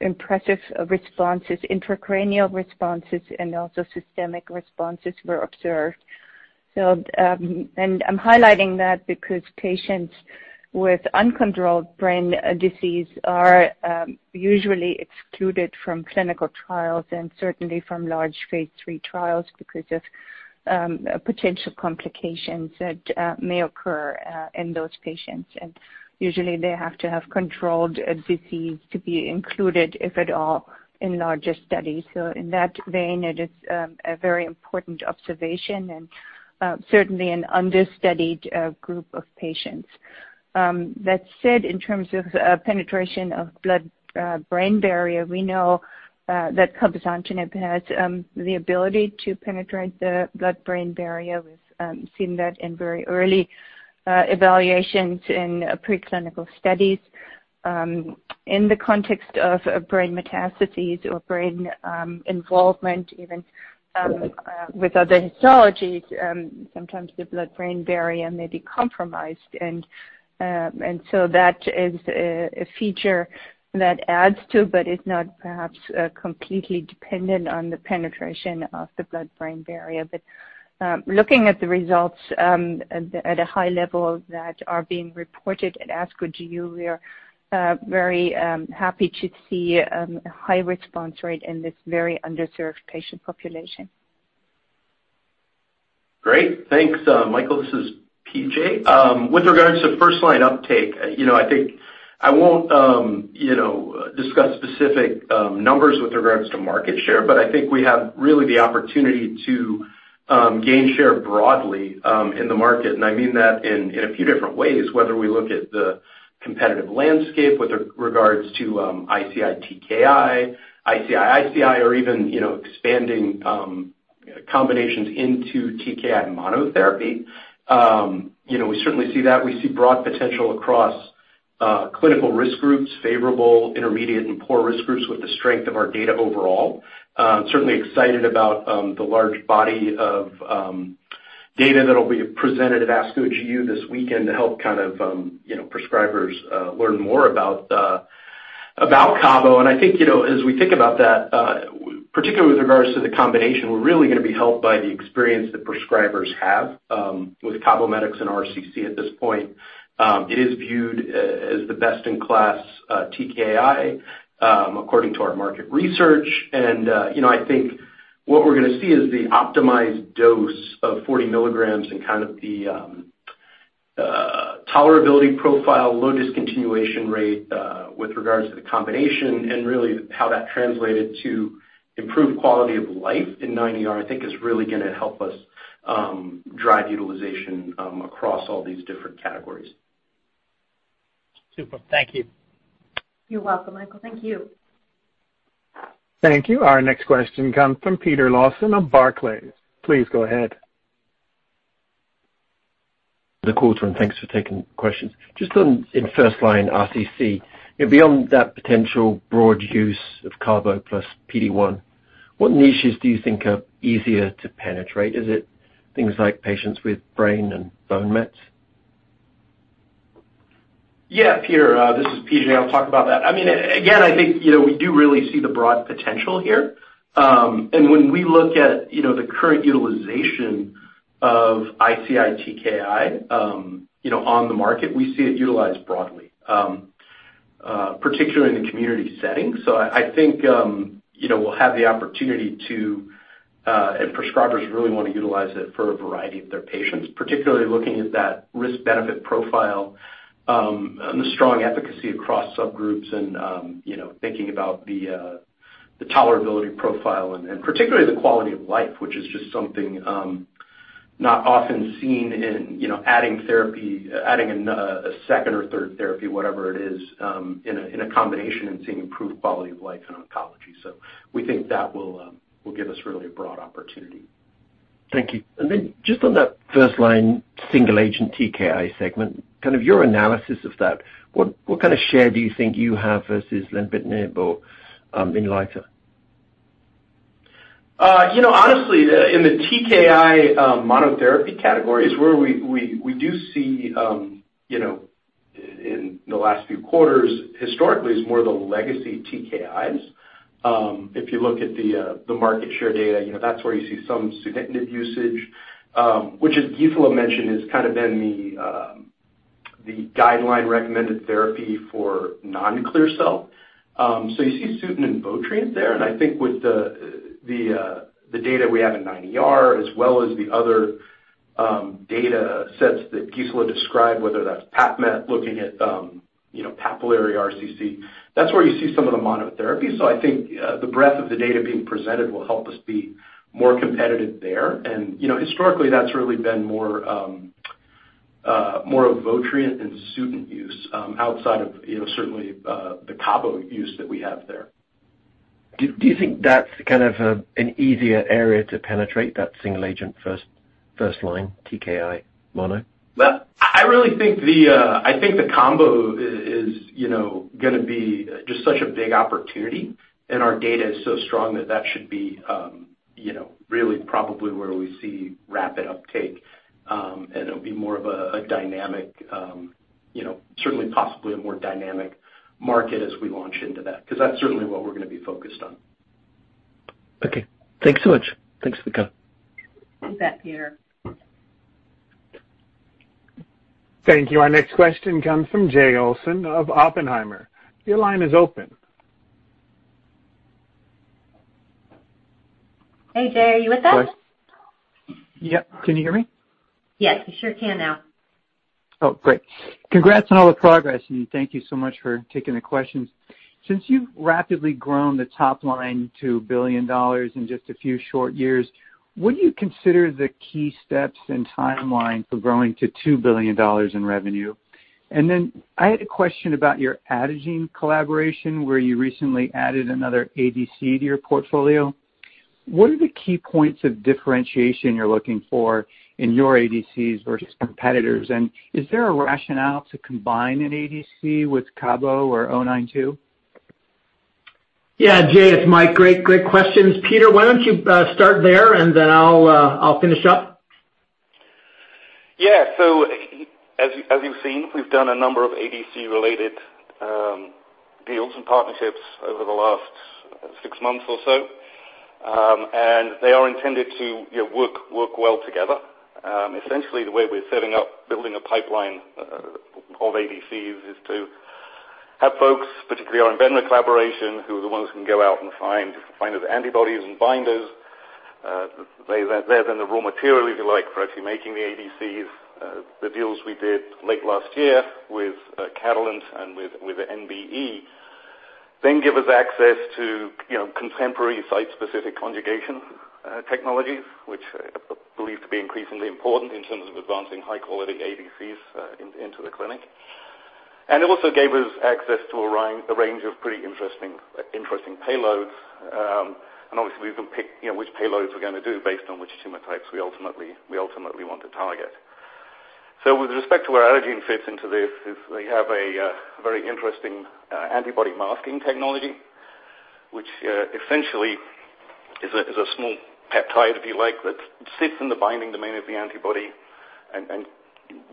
impressive responses, intracranial responses, and also systemic responses were observed. I'm highlighting that because patients with uncontrolled brain disease are usually excluded from clinical trials and certainly from large phase III trials because of potential complications that may occur in those patients. Usually, they have to have controlled disease to be included, if at all, in larger studies. In that vein, it is a very important observation and certainly an understudied group of patients. That said, in terms of penetration of blood-brain barrier, we know that cabozantinib has the ability to penetrate the blood-brain barrier. We've seen that in very early evaluations in preclinical studies. In the context of brain metastases or brain involvement, even with other histologies, sometimes the blood-brain barrier may be compromised. So that is a feature that adds to but is not perhaps completely dependent on the penetration of the blood-brain barrier. But looking at the results at a high level that are being reported at ASCO GU, we are very happy to see a high response rate in this very underserved patient population. Great. Thanks, Michael. This is P.J. With regards to first line uptake, I think I won't discuss specific numbers with regards to market share, but I think we have really the opportunity to gain share broadly in the market. And I mean that in a few different ways, whether we look at the competitive landscape with regards to ICI-TKI, ICI-ICI, or even expanding combinations into TKI monotherapy. We certainly see that. We see broad potential across clinical risk groups, favorable, intermediate, and poor risk groups with the strength of our data overall. Certainly excited about the large body of data that will be presented at ASCO GU this weekend to help kind of prescribers learn more about Cabo. I think as we think about that, particularly with regards to the combination, we're really going to be helped by the experience that prescribers have with Cabometyx and RCC at this point. It is viewed as the best-in-class TKI according to our market research. And I think what we're going to see is the optimized dose of 40 milligrams and kind of the tolerability profile, low discontinuation rate with regards to the combination, and really how that translated to improved quality of life in 9ER, I think, is really going to help us drive utilization across all these different categories. Super. Thank you. You're welcome, Michael. Thank you. Thank you. Our next question comes from Peter Lawson of Barclays. Please go ahead. Thanks for the quarter and thanks for taking questions. Just on first-line RCC, beyond that potential broad use of Cabo plus PD1, what niches do you think are easier to penetrate? Is it things like patients with brain and bone mets? Yeah, Peter, this is PJ. I'll talk about that. I mean, again, I think we do really see the broad potential here, and when we look at the current utilization of ICI-TKI on the market, we see it utilized broadly, particularly in the community setting. So, I think we'll have the opportunity to, and prescribers really want to utilize it for a variety of their patients, particularly looking at that risk-benefit profile and the strong efficacy across subgroups and thinking about the tolerability profile and particularly the quality of life, which is just something not often seen in adding therapy, adding a second or third therapy, whatever it is, in a combination and seeing improved quality of life in oncology, so we think that will give us really a broad opportunity. Thank you, and then just on that first line single-agent TKI segment, kind of your analysis of that, what kind of share do you think you have versus lenvatinib or Inlyta? Honestly, in the TKI monotherapy categories where we do see in the last few quarters, historically, it's more the legacy TKIs. If you look at the market share data, that's where you see some sunitinib usage, which, as Gisela mentioned, has kind of been the guideline recommended therapy for non-clear cell. So you see sunitinib and pazopanib there. And I think with the data we have in 9ER, as well as the other data sets that Gisela described, whether that's PapMet looking at papillary RCC, that's where you see some of the monotherapy. So I think the breadth of the data being presented will help us be more competitive there. And historically, that's really been more of pazopanib and sunitinib use outside of certainly the Cabo use that we have there. Do you think that's kind of an easier area to penetrate, that single-agent first-line TKI mono? Well, I really think the combo is going to be just such a big opportunity. Our data is so strong that that should be really probably where we see rapid uptake. And it'll be more of a dynamic, certainly possibly a more dynamic market as we launch into that because that's certainly what we're going to be focused on. Okay. Thanks so much. Thanks, Vicki. Thanks for that, Peter. Thank you. Our next question comes from Jay Olson of Oppenheimer. Your line is open. Hey, Jay, are you with us? Yep. Can you hear me? Yes, you sure can now. Oh, great. Congrats on all the progress, and thank you so much for taking the questions. Since you've rapidly grown the top line to $1 billion in just a few short years, what do you consider the key steps and timeline for growing to $2 billion in revenue? And then I had a question about your Adagene collaboration where you recently added another ADC to your portfolio. What are the key points of differentiation you're looking for in your ADCs versus competitors? And is there a rationale to combine an ADC with Cabo or XL-092? Yeah, Jay, it's Mike. Great questions. Peter, why don't you start there, and then I'll finish up. Yeah. So as you've seen, we've done a number of ADC-related deals and partnerships over the last six months or so. And they are intended to work well together. Essentially, the way we're setting up, building a pipeline of ADCs is to have folks, particularly our Invenra collaboration, who are the ones who can go out and find the antibodies and binders. They're then the raw material, if you like, for actually making the ADCs. The deals we did late last year with Catalent and with NBE then give us access to contemporary site-specific conjugation technologies, which I believe to be increasingly important in terms of advancing high-quality ADCs into the clinic, and it also gave us access to a range of pretty interesting payloads. And obviously, we can pick which payloads we're going to do based on which tumor types we ultimately want to target, so with respect to where Adagene fits into this, we have a very interesting antibody masking technology, which essentially is a small peptide, if you like, that sits in the binding domain of the antibody and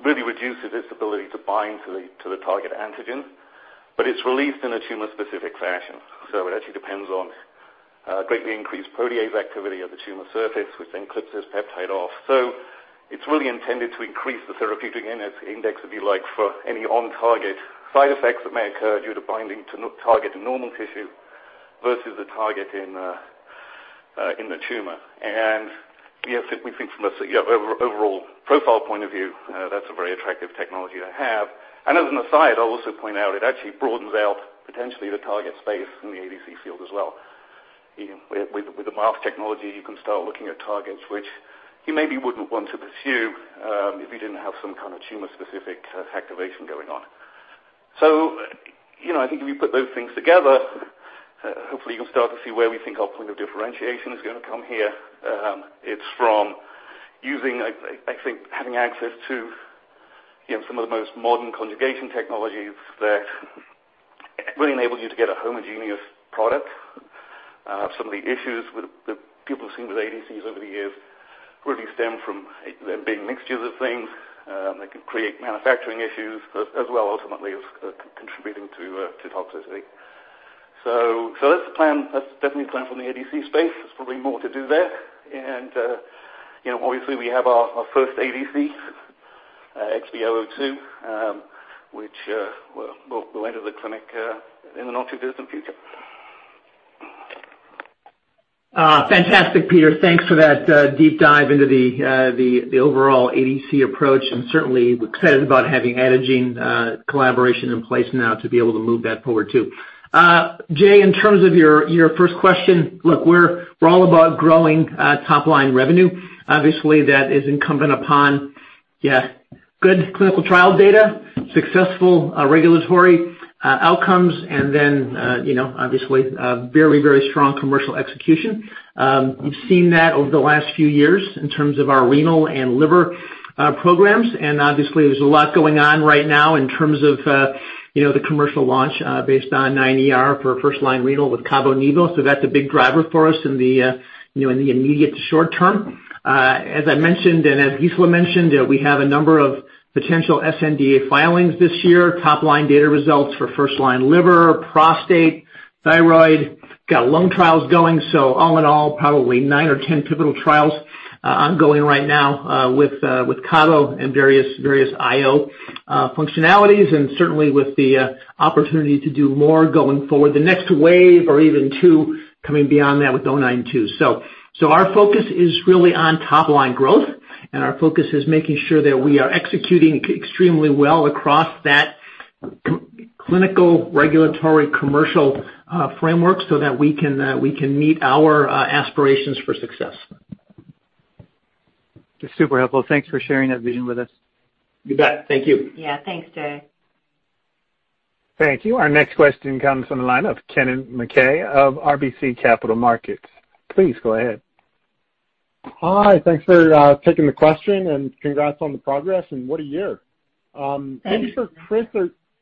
really reduces its ability to bind to the target antigen. But it's released in a tumor-specific fashion, so it actually depends on greatly increased protease activity at the tumor surface, which then clips this peptide off. So it's really intended to increase the therapeutic index, if you like, for any on-target side effects that may occur due to binding to target normal tissue versus the target in the tumor. And we think from an overall profile point of view, that's a very attractive technology to have. And as an aside, I'll also point out it actually broadens out potentially the target space in the ADC field as well. With the mask technology, you can start looking at targets which you maybe wouldn't want to pursue if you didn't have some kind of tumor-specific activation going on. So I think if you put those things together, hopefully, you can start to see where we think our point of differentiation is going to come here. It's from using, I think, having access to some of the most modern conjugation technologies that really enable you to get a homogeneous product. Some of the issues that people have seen with ADCs over the years really stem from them being mixtures of things that can create manufacturing issues as well, ultimately contributing to toxicity. So that's the plan. That's definitely the plan from the ADC space. There's probably more to do there. And obviously, we have our first ADC, XB002, which will enter the clinic in the not too distant future. Fantastic, Peter. Thanks for that deep dive into the overall ADC approach. And certainly, we're excited about having Adagene collaboration in place now to be able to move that forward too. Jay, in terms of your first question, look, we're all about growing top-line revenue. Obviously, that is incumbent upon, yeah, good clinical trial data, successful regulatory outcomes, and then obviously very, very strong commercial execution. You've seen that over the last few years in terms of our renal and liver programs. And obviously, there's a lot going on right now in terms of the commercial launch based on 9ER for first-line renal with CaboNevo. So that's a big driver for us in the immediate to short term. As I mentioned and as Gisela mentioned, we have a number of potential sNDA filings this year, top-line data results for first-line liver, prostate, thyroid. We've got lung trials going. So all in all, probably nine or 10 pivotal trials ongoing right now with Cabo and various IO functionalities and certainly with the opportunity to do more going forward, the next wave or even two coming beyond that with O92. So our focus is really on top-line growth, and our focus is making sure that we are executing extremely well across that clinical regulatory commercial framework so that we can meet our aspirations for success. It's super helpful. Thanks for sharing that vision with us. You bet. Thank you. Yeah. Thanks, Jay. Thank you. Our next question comes from the line of Kennen MacKay of RBC Capital Markets. Please go ahead. Hi. Thanks for taking the question and congrats on the progress, and what a year. Thank you, Chris,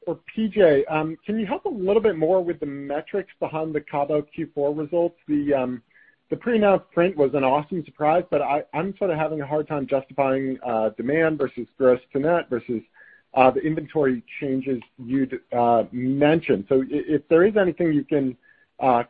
or P.J. Can you help a little bit more with the metrics behind the Cabo Q4 results? The pre-announced print was an awesome surprise, but I'm sort of having a hard time justifying demand versus gross to net versus the inventory changes you'd mentioned. So if there is anything you can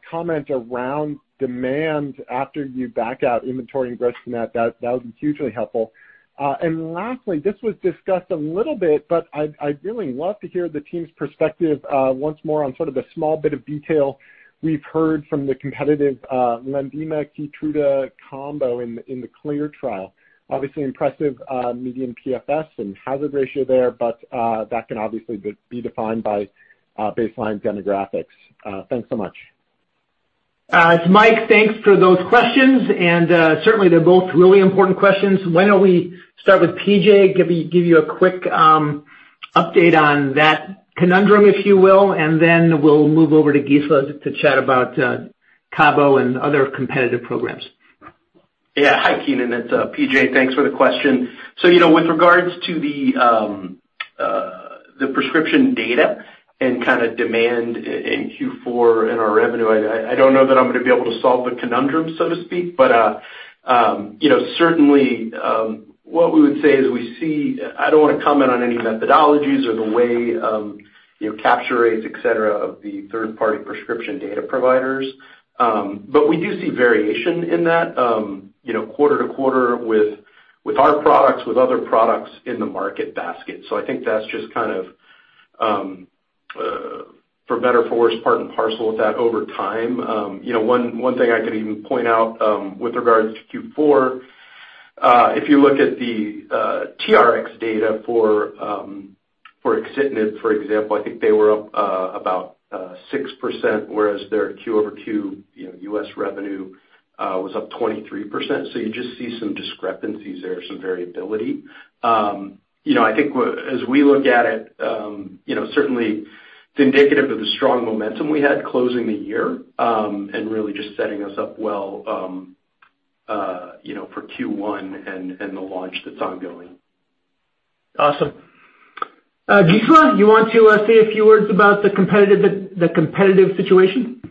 comment around demand after you back out inventory and gross to net, that would be hugely helpful. And lastly, this was discussed a little bit, but I'd really love to hear the team's perspective once more on sort of the small bit of detail we've heard from the competitive Lenvima-Keytruda combo in the CLEAR trial. Obviously, impressive median PFS and hazard ratio there, but that can obviously be defined by baseline demographics. Thanks so much. It's Mike. Thanks for those questions. And certainly, they're both really important questions. Why don't we start with PJ, give you a quick update on that conundrum, if you will, and then we'll move over to Gisela to chat about Cabo and other competitive programs. Yeah. Hi, Kennen. It's PJ. Thanks for the question. So with regards to the prescription data and kind of demand in Q4 and our revenue, I don't know that I'm going to be able to solve the conundrum, so to speak. But certainly, what we would say is we see. I don't want to comment on any methodologies or the way capture rates, etc., of the third-party prescription data providers, but we do see variation in that quarter to quarter with our products, with other products in the market basket. So I think that's just kind of, for better or for worse, part and parcel with that over time. One thing I can even point out with regards to Q4, if you look at the TRX data for Exelixis, for example, I think they were up about 6%, whereas their Q over Q US revenue was up 23%. So you just see some discrepancies there, some variability. I think as we look at it, certainly indicative of the strong momentum we had closing the year and really just setting us up well for Q1 and the launch that's ongoing. Awesome. Gisela, you want to say a few words about the competitive situation?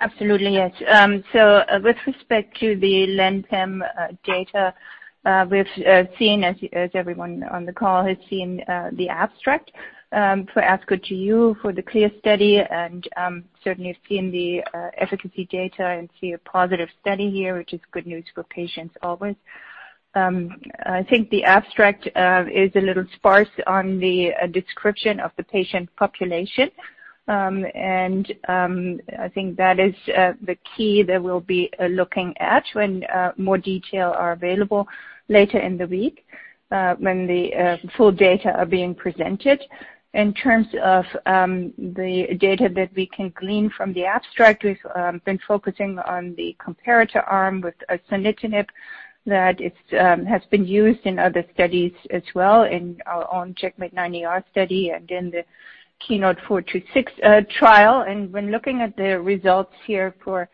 Absolutely. Yes. So with respect to the Lenvima data, we've seen, as everyone on the call has seen, the abstract for ASCO GU for the CLEAR study. And certainly, we've seen the efficacy data and see a positive study here, which is good news for patients always. I think the abstract is a little sparse on the description of the patient population. I think that is the key that we'll be looking at when more detail is available later in the week when the full data are being presented. In terms of the data that we can glean from the abstract, we've been focusing on the comparator arm with sunitinib that has been used in other studies as well in our own CheckMate 9ER study and in the KEYNOTE-426 trial. And when looking at the results here for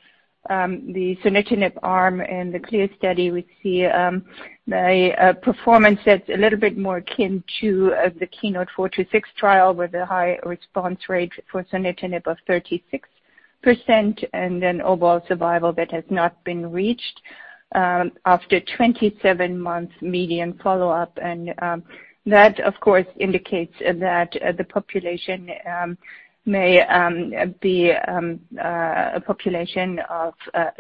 the sunitinib arm and the CLEAR study, we see a performance that's a little bit more akin to the KEYNOTE-426 trial with a high response rate for sunitinib of 36% and then overall survival that has not been reached after 27-month median follow-up. And that, of course, indicates that the population may be a population of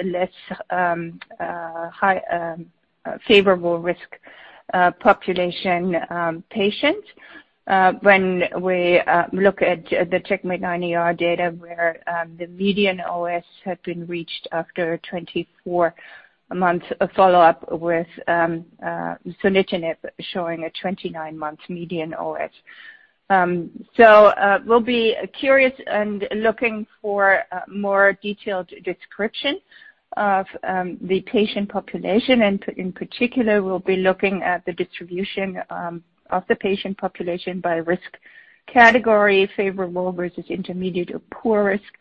less favorable risk population patients. When we look at the CheckMate 9ER data where the median OS had been reached after 24-month follow-up with sunitinib showing a 29-month median OS. So we'll be curious and looking for more detailed description of the patient population. And in particular, we'll be looking at the distribution of the patient population by risk category, favorable versus intermediate or poor risk,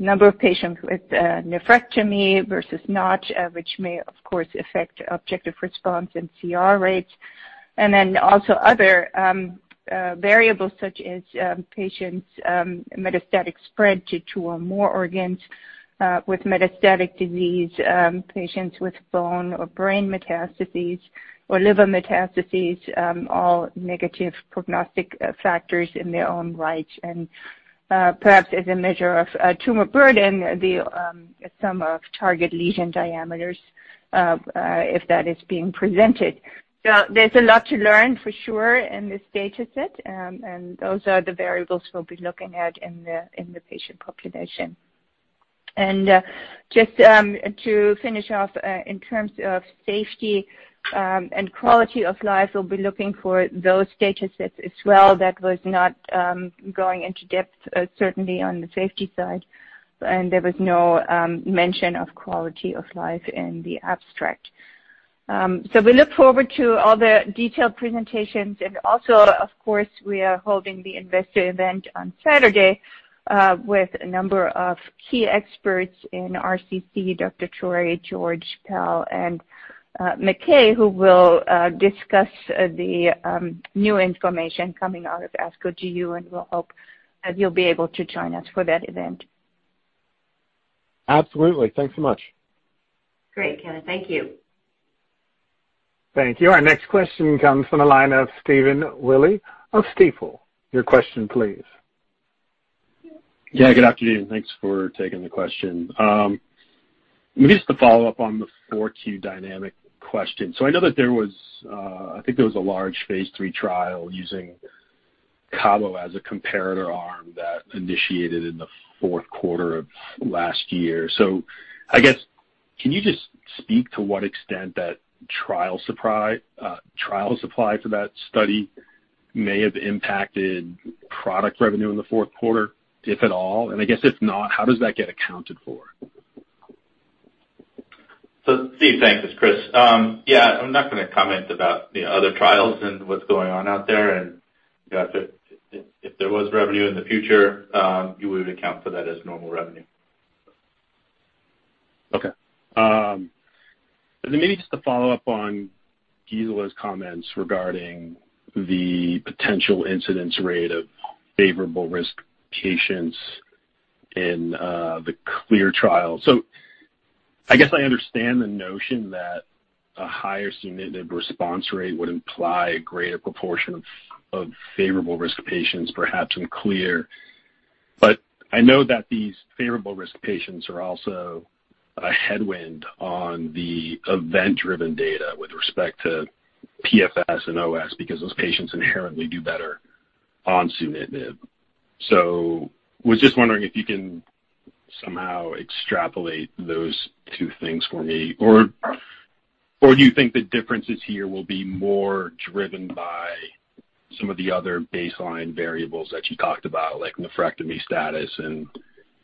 number of patients with nephrectomy versus not, which may, of course, affect objective response and CR rates. And then also other variables such as patients' metastatic spread to two or more organs with metastatic disease, patients with bone or brain metastases or liver metastases, all negative prognostic factors in their own right. And perhaps as a measure of tumor burden, the sum of target lesion diameters if that is being presented. So there's a lot to learn for sure in this dataset. And those are the variables we'll be looking at in the patient population. And just to finish off, in terms of safety and quality of life, we'll be looking for those datasets as well. That was not going into depth, certainly on the safety side. And there was no mention of quality of life in the abstract. So we look forward to all the detailed presentations. And also, of course, we are holding the investor event on Saturday with a number of key experts in RCC, Dr. Choueiri, Dr. George, and Dr. McKay, who will discuss the new information coming out of ASCO GU. And we'll hope that you'll be able to join us for that event. Absolutely. Thanks so much. Great, Kennen. Thank you. Thank you. Our next question comes from the line of Stephen Willey of Stifel. Your question, please. Yeah. Good afternoon. Thanks for taking the question. Maybe just to follow up on the 4Q dynamic question. So I know that there was. I think there was a large phase three trial using Cabo as a comparator arm that initiated in the fourth quarter of last year. So I guess, can you just speak to what extent that trial supply for that study may have impacted product revenue in the fourth quarter, if at all? And I guess, if not, how does that get accounted for? So Steve, thanks. It's Chris. Yeah. I'm not going to comment about other trials and what's going on out there. And if there was revenue in the future, we would account for that as normal revenue. Okay. And then maybe just to follow up on Gisela's comments regarding the potential incidence rate of favorable risk patients in the CLEAR trial. I guess I understand the notion that a higher sunitinib response rate would imply a greater proportion of favorable risk patients, perhaps in CLEAR. But I know that these favorable risk patients are also a headwind on the event-driven data with respect to PFS and OS because those patients inherently do better on sunitinib. So I was just wondering if you can somehow extrapolate those two things for me. Or do you think the differences here will be more driven by some of the other baseline variables that you talked about, like nephrectomy status and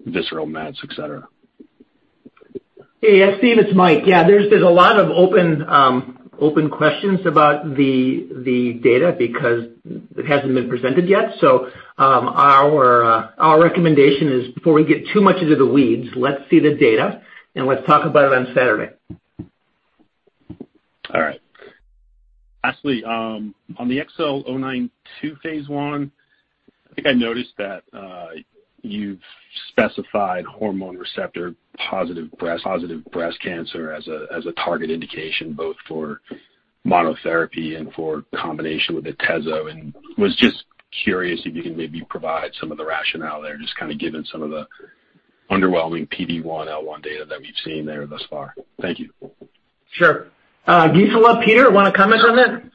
visceral mets, etc.? Yeah. Steve, it's Mike. Yeah. There's a lot of open questions about the data because it hasn't been presented yet. So our recommendation is, before we get too much into the weeds, let's see the data and let's talk about it on Saturday. All right. Lastly, on the XL-092 phase 1, I think I noticed that you've specified hormone receptor positive breast cancer as a target indication both for monotherapy and for combination with Atezo, and was just curious if you can maybe provide some of the rationale there, just kind of given some of the underwhelming PD-1/PD-L1 data that we've seen there thus far. Thank you. Sure. Gisela, Peter, want to comment on that?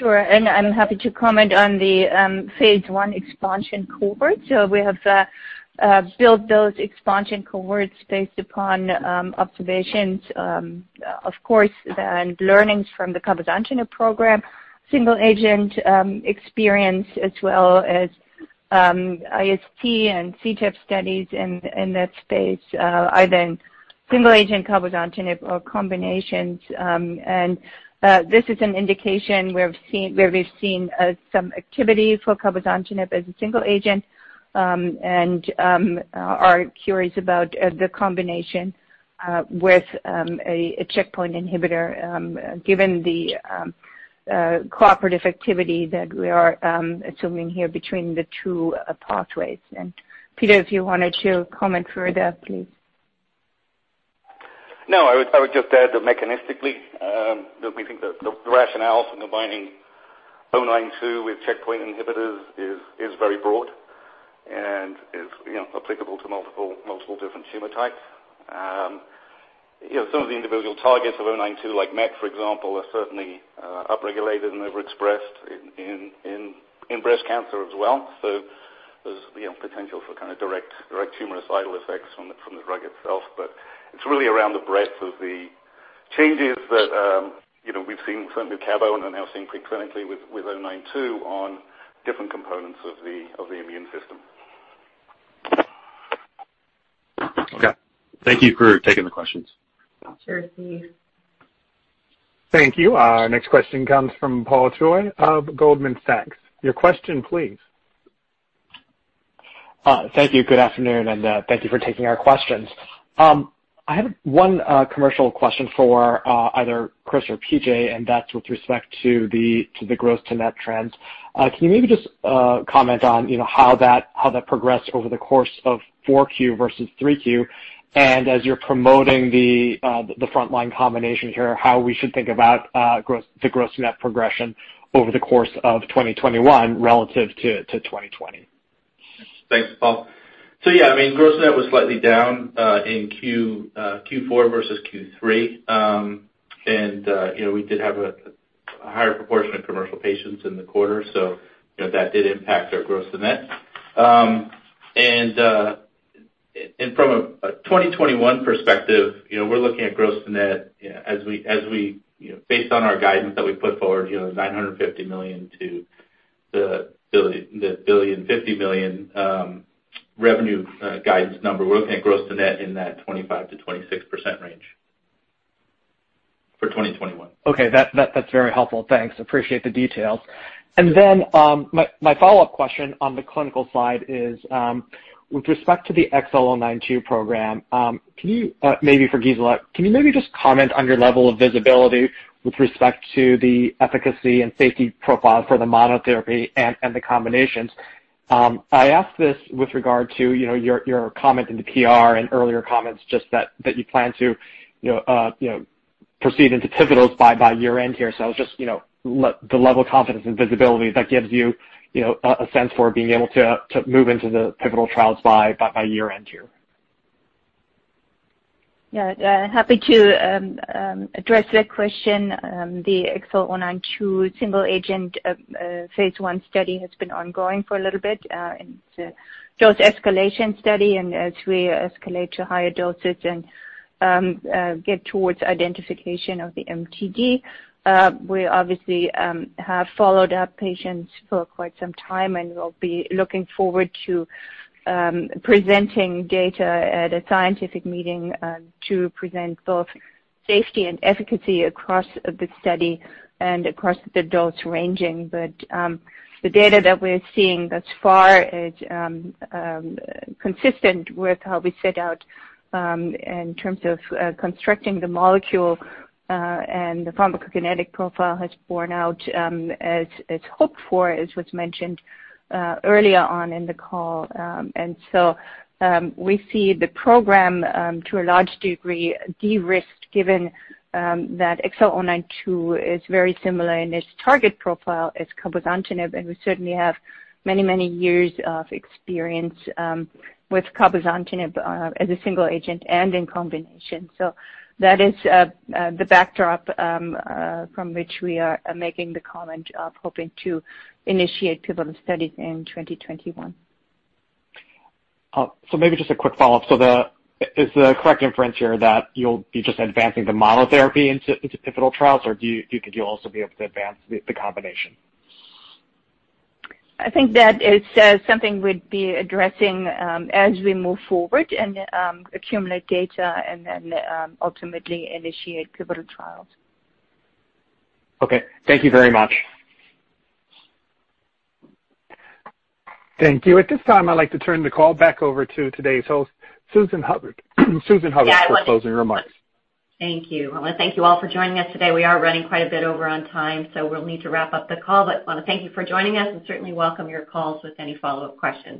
Sure, and I'm happy to comment on the phase 1 expansion cohort. So we have built those expansion cohorts based upon observations, of course, and learnings from the cabozantinib program, single-agent experience as well as IST and CTEP studies in that space, either in single-agent cabozantinib or combinations, and this is an indication where we've seen some activity for cabozantinib as a single-agent. And we're curious about the combination with a checkpoint inhibitor given the cooperative activity that we are assuming here between the two pathways. And Peter, if you wanted to comment further, please. No. I would just add that mechanistically, we think the rationale for combining XL-092 with checkpoint inhibitors is very broad and is applicable to multiple different tumor types. Some of the individual targets of XL-092, like MEK, for example, are certainly upregulated and overexpressed in breast cancer as well. So there's potential for kind of direct tumoricidal effects from the drug itself. But it's really around the breadth of the changes that we've seen with Cabo and are now seeing preclinically with XL-092 on different components of the immune system. Okay. Thank you for taking the questions. Thank you. Next question comes from Paul Choi of Goldman Sachs. Your question, please. Thank you. Good afternoon. Thank you for taking our questions. I have one commercial question for either Chris or PJ, and that's with respect to the gross to net trends. Can you maybe just comment on how that progressed over the course of 4Q versus 3Q? And as you're promoting the frontline combination here, how we should think about the gross to net progression over the course of 2021 relative to 2020? Thanks, Paul. Yeah, I mean, gross to net was slightly down in Q4 versus Q3. And we did have a higher proportion of commercial patients in the quarter. So that did impact our gross to net. And from a 2021 perspective, we're looking at gross to net as we based on our guidance that we put forward, $950 million-$1.05 billion revenue guidance number, we're looking at gross to net in that 25%-26% range for 2021. Okay. That's very helpful. Thanks. Appreciate the details. And then my follow-up question on the clinical side is, with respect to the XL-092 program, maybe for Gisela, can you maybe just comment on your level of visibility with respect to the efficacy and safety profile for the monotherapy and the combinations? I asked this with regard to your comment in the PR and earlier comments just that you plan to proceed into pivotals by year-end here. So I was just the level of confidence and visibility that gives you a sense for being able to move into the pivotal trials by year-end here. Yeah. Happy to address that question. The XL-092 single-agent phase 1 study has been ongoing for a little bit. It's a dose escalation study. And as we escalate to higher doses and get towards identification of the MTD, we obviously have followed up patients for quite some time. And we'll be looking forward to presenting data at a scientific meeting to present both safety and efficacy across the study and across the dose ranging. But the data that we're seeing thus far is consistent with how we set out in terms of constructing the molecule. And the pharmacokinetic profile has borne out as hoped for, as was mentioned earlier on in the call. And so we see the program, to a large degree, de-risked given that XL-092 is very similar in its target profile as Cabozantinib. And we certainly have many, many years of experience with Cabozantinib as a single agent and in combination. So that is the backdrop from which we are making the comment of hoping to initiate pivotal studies in 2021. So maybe just a quick follow-up. So is the correct inference here that you'll be just advancing the monotherapy into pivotal trials, or do you think you'll also be able to advance the combination? I think that is something we'd be addressing as we move forward and accumulate data and then ultimately initiate pivotal trials. Okay. Thank you very much. Thank you. At this time, I'd like to turn the call back over to today's host, Susan Hubbard, for closing remarks. Thank you. I want to thank you all for joining us today. We are running quite a bit over on time. So we'll need to wrap up the call. I want to thank you for joining us and certainly welcome your calls with any follow-up questions.